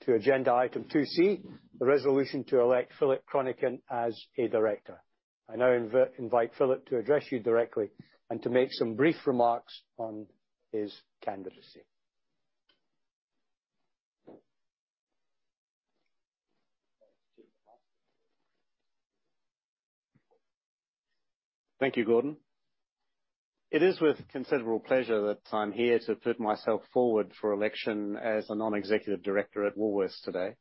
to agenda item 2C, the resolution to elect Philip Chronican as a director. I now invite Philip to address you directly and to make some brief remarks on his candidacy. Thank you, Gordon. It is with considerable pleasure that I'm here to put myself forward for election as a Non-Executive Director at Woolworths today.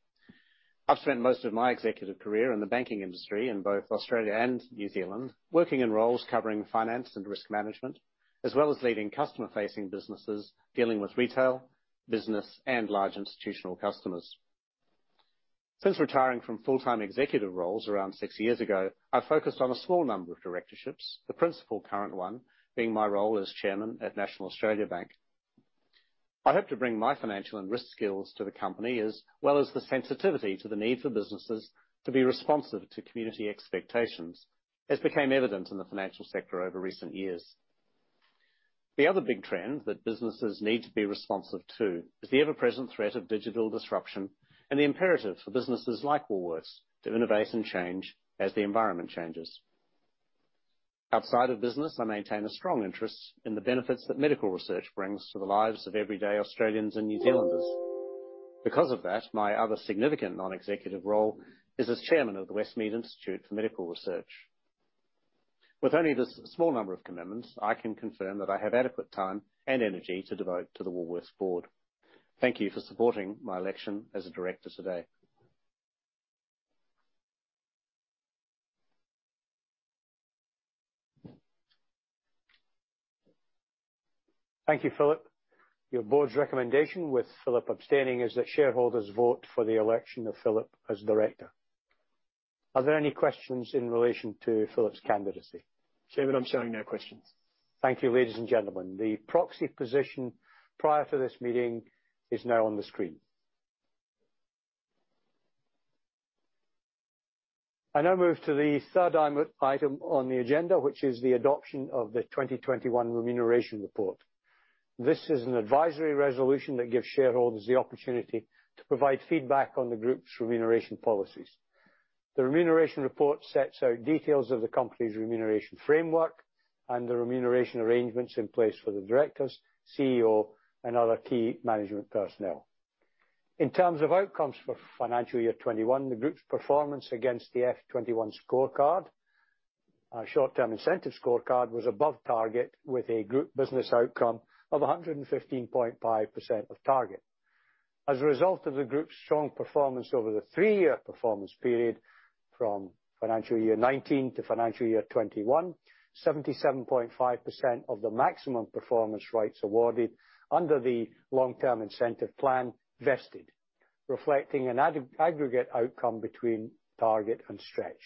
I've spent most of my executive career in the banking industry in both Australia and New Zealand, working in roles covering finance and risk management, as well as leading customer-facing businesses, dealing with retail, business, and large institutional customers. Since retiring from full-time executive roles around six years ago, I focused on a small number of directorships, the principal current one being my role as Chairman at National Australia Bank. I hope to bring my financial and risk skills to the company, as well as the sensitivity to the need for businesses to be responsive to community expectations, as became evident in the financial sector over recent years. The other big trend that businesses need to be responsive to is the ever-present threat of digital disruption and the imperative for businesses like Woolworths to innovate and change as the environment changes. Outside of business, I maintain a strong interest in the benefits that medical research brings to the lives of everyday Australians and New Zealanders. Because of that, my other significant non-executive role is as chairman of The Westmead Institute for Medical Research. With only this small number of commitments, I can confirm that I have adequate time and energy to devote to the Woolworths board. Thank you for supporting my election as a director today. Thank you, Philip. Your board's recommendation, with Philip abstaining, is that shareholders vote for the election of Philip as director. Are there any questions in relation to Philip's candidacy? Chairman, I'm showing no questions. Thank you, ladies and gentlemen. The proxy position prior to this meeting is now on the screen. I now move to the third item on the agenda, which is the adoption of the 2021 remuneration report. This is an advisory resolution that gives shareholders the opportunity to provide feedback on the Group's remuneration policies. The remuneration report sets out details of the company's remuneration framework and the remuneration arrangements in place for the directors, CEO, and other key management personnel. In terms of outcomes for financial year 2021, the Group's performance against the FY 2021 scorecard, our short-term incentive scorecard was above target with a group business outcome of 115.5% of target. As a result of the Group's strong performance over the three-year performance period from financial year 2019 to financial year 2021, 77.5% of the maximum performance rights awarded under the long-term incentive plan vested, reflecting an aggregate outcome between target and stretch.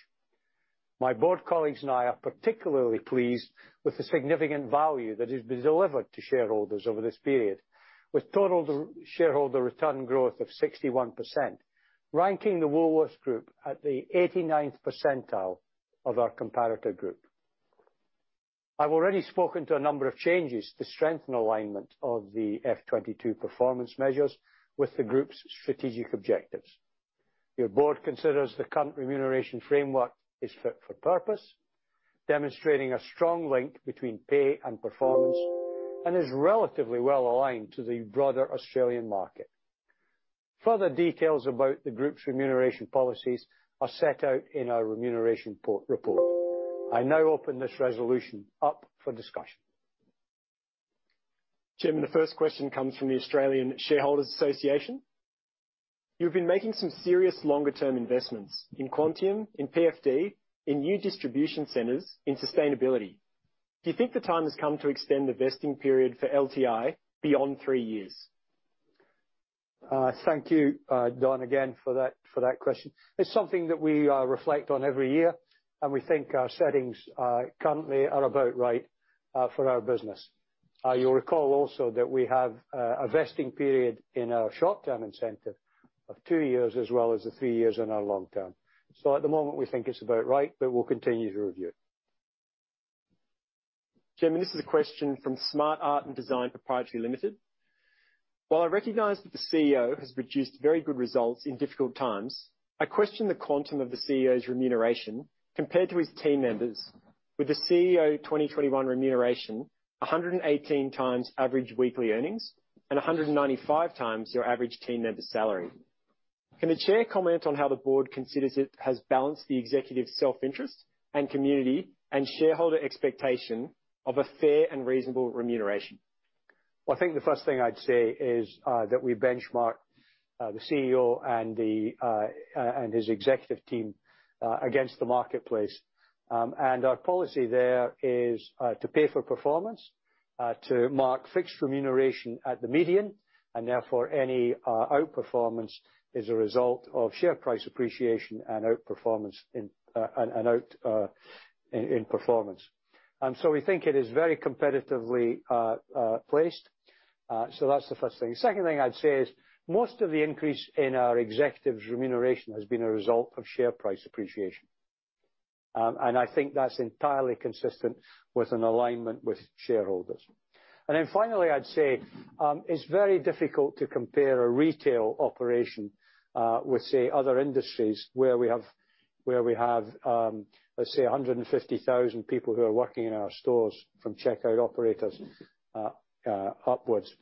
My board colleagues and I are particularly pleased with the significant value that has been delivered to shareholders over this period, with total shareholder return growth of 61%, ranking the Woolworths Group at the 89th percentile of our comparator group. I've already spoken to a number of changes to strengthen alignment of the FY 2022 performance measures with the Group's strategic objectives. Your board considers the current remuneration framework is fit for purpose, demonstrating a strong link between pay and performance, and is relatively well-aligned to the broader Australian market. Further details about the Group's remuneration policies are set out in our Remuneration Report. I now open this resolution up for discussion. Chairman, the first question comes from the Australian Shareholders' Association. You've been making some serious longer term investments in Quantium, in PFD, in new distribution centers, in sustainability. Do you think the time has come to extend the vesting period for LTI beyond three years? Thank you, Don, again for that question. It's something that we reflect on every year, and we think our settings currently are about right for our business. You'll recall also that we have a vesting period in our short-term incentive of two years as well as the three years in our long term. At the moment, we think it's about right, but we'll continue to review. Chairman, this is a question from Smart Art & Design Pty Ltd. While I recognize that the CEO has produced very good results in difficult times, I question the quantum of the CEO's remuneration compared to his team members with the CEO's 2021 remuneration 118x average weekly earnings and 195x your average team member's salary. Can the Chair comment on how the board considers it has balanced the executive self-interest and community and shareholder expectation of a fair and reasonable remuneration? Well, I think the first thing I'd say is that we benchmark the CEO and his executive team against the marketplace. Our policy there is to pay for performance, to mark fixed remuneration at the median, and therefore, any outperformance is a result of share price appreciation and outperformance in performance. We think it is very competitively placed. That's the first thing. Second thing I'd say is most of the increase in our executives' remuneration has been a result of share price appreciation. I think that's entirely consistent with an alignment with shareholders. Finally, I'd say, it's very difficult to compare a retail operation with, say, other industries where we have, let's say 150,000 people who are working in our stores from checkout operators upwards.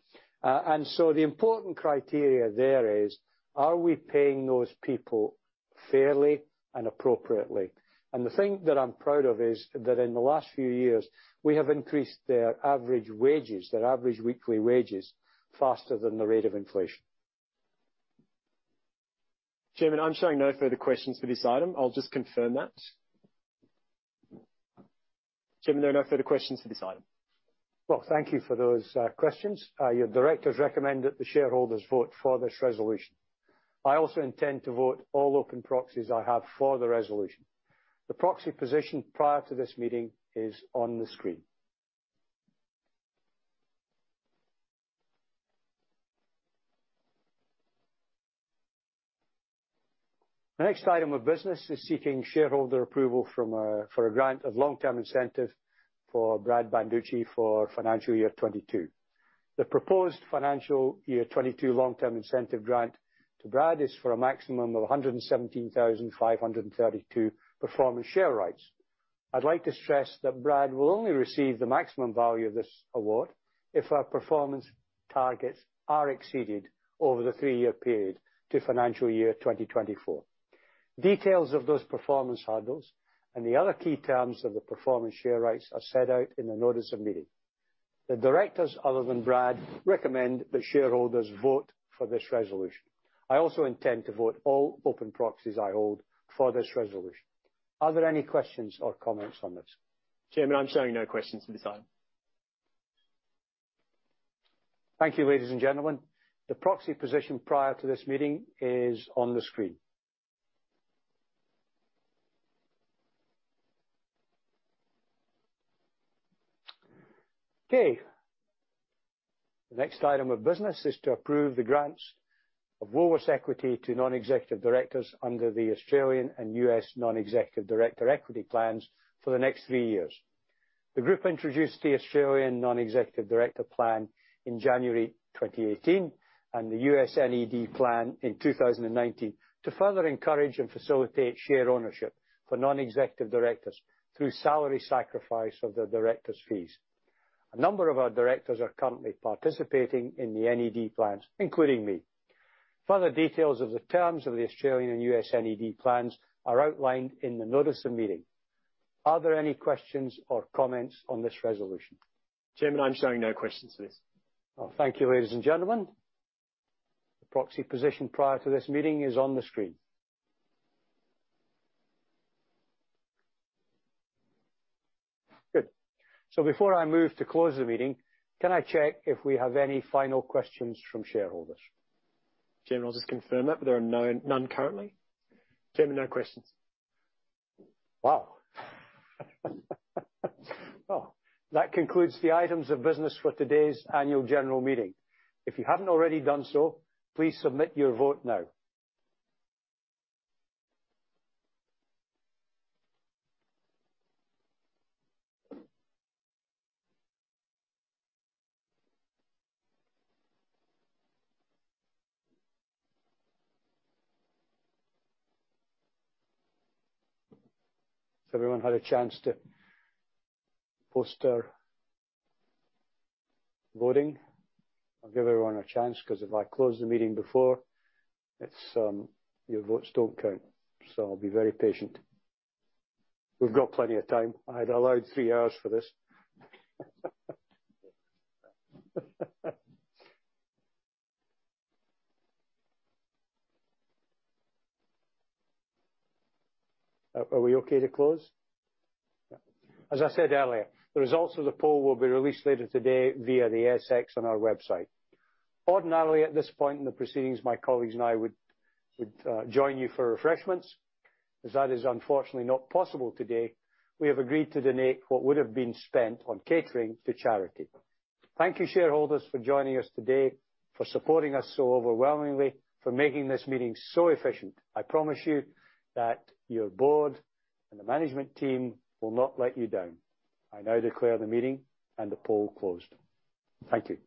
The important criteria there is: Are we paying those people fairly and appropriately? The thing that I'm proud of is that in the last few years, we have increased their average wages, their average weekly wages, faster than the rate of inflation. Chairman, I'm showing no further questions for this item. I'll just confirm that. Chairman, there are no further questions for this item. Well, thank you for those questions. Your directors recommend that the shareholders vote for this resolution. I also intend to vote all open proxies I have for the resolution. The proxy position prior to this meeting is on the screen. The next item of business is seeking shareholder approval for a grant of long-term incentive for Brad Banducci for financial year 2022. The proposed financial year 2022 long-term incentive grant to Brad is for a maximum of 117,532 performance share rights. I'd like to stress that Brad will only receive the maximum value of this award if our performance targets are exceeded over the three-year period to financial year 2024. Details of those performance hurdles and the other key terms of the performance share rights are set out in the Notice of Meeting. The directors, other than Brad, recommend that shareholders vote for this resolution. I also intend to vote all open proxies I hold for this resolution. Are there any questions or comments on this? Chairman, I'm showing no questions at this time. Thank you, ladies and gentlemen. The proxy position prior to this meeting is on the screen. Okay. The next item of business is to approve the grants of Woolworths equity to non-executive directors under the Australian and U.S. non-executive director equity plans for the next three years. The group introduced the Australian non-executive director plan in January 2018, and the U.S. NED plan in 2019 to further encourage and facilitate share ownership for non-executive directors through salary sacrifice of the directors' fees. A number of our directors are currently participating in the NED plans, including me. Further details of the terms of the Australian and U.S. NED plans are outlined in the notice of meeting. Are there any questions or comments on this resolution? Chairman, I'm showing no questions to this. Well, thank you, ladies and gentlemen. The proxy position prior to this meeting is on the screen. Good. Before I move to close the meeting, can I check if we have any final questions from shareholders? Chairman, I'll just confirm that there are none currently. Chairman, no questions. Wow. Well, that concludes the items of business for today's annual general meeting. If you haven't already done so, please submit your vote now. Has everyone had a chance to post their voting? I'll give everyone a chance 'cause if I close the meeting before, it's your votes don't count, so I'll be very patient. We've got plenty of time. I'd allowed three hours for this. Are we okay to close? Yeah. As I said earlier, the results of the poll will be released later today via the ASX on our website. Ordinarily, at this point in the proceedings, my colleagues and I would join you for refreshments. As that is unfortunately not possible today, we have agreed to donate what would have been spent on catering to charity. Thank you, shareholders, for joining us today, for supporting us so overwhelmingly, for making this meeting so efficient. I promise you that your board and the management team will not let you down. I now declare the meeting and the poll closed. Thank you.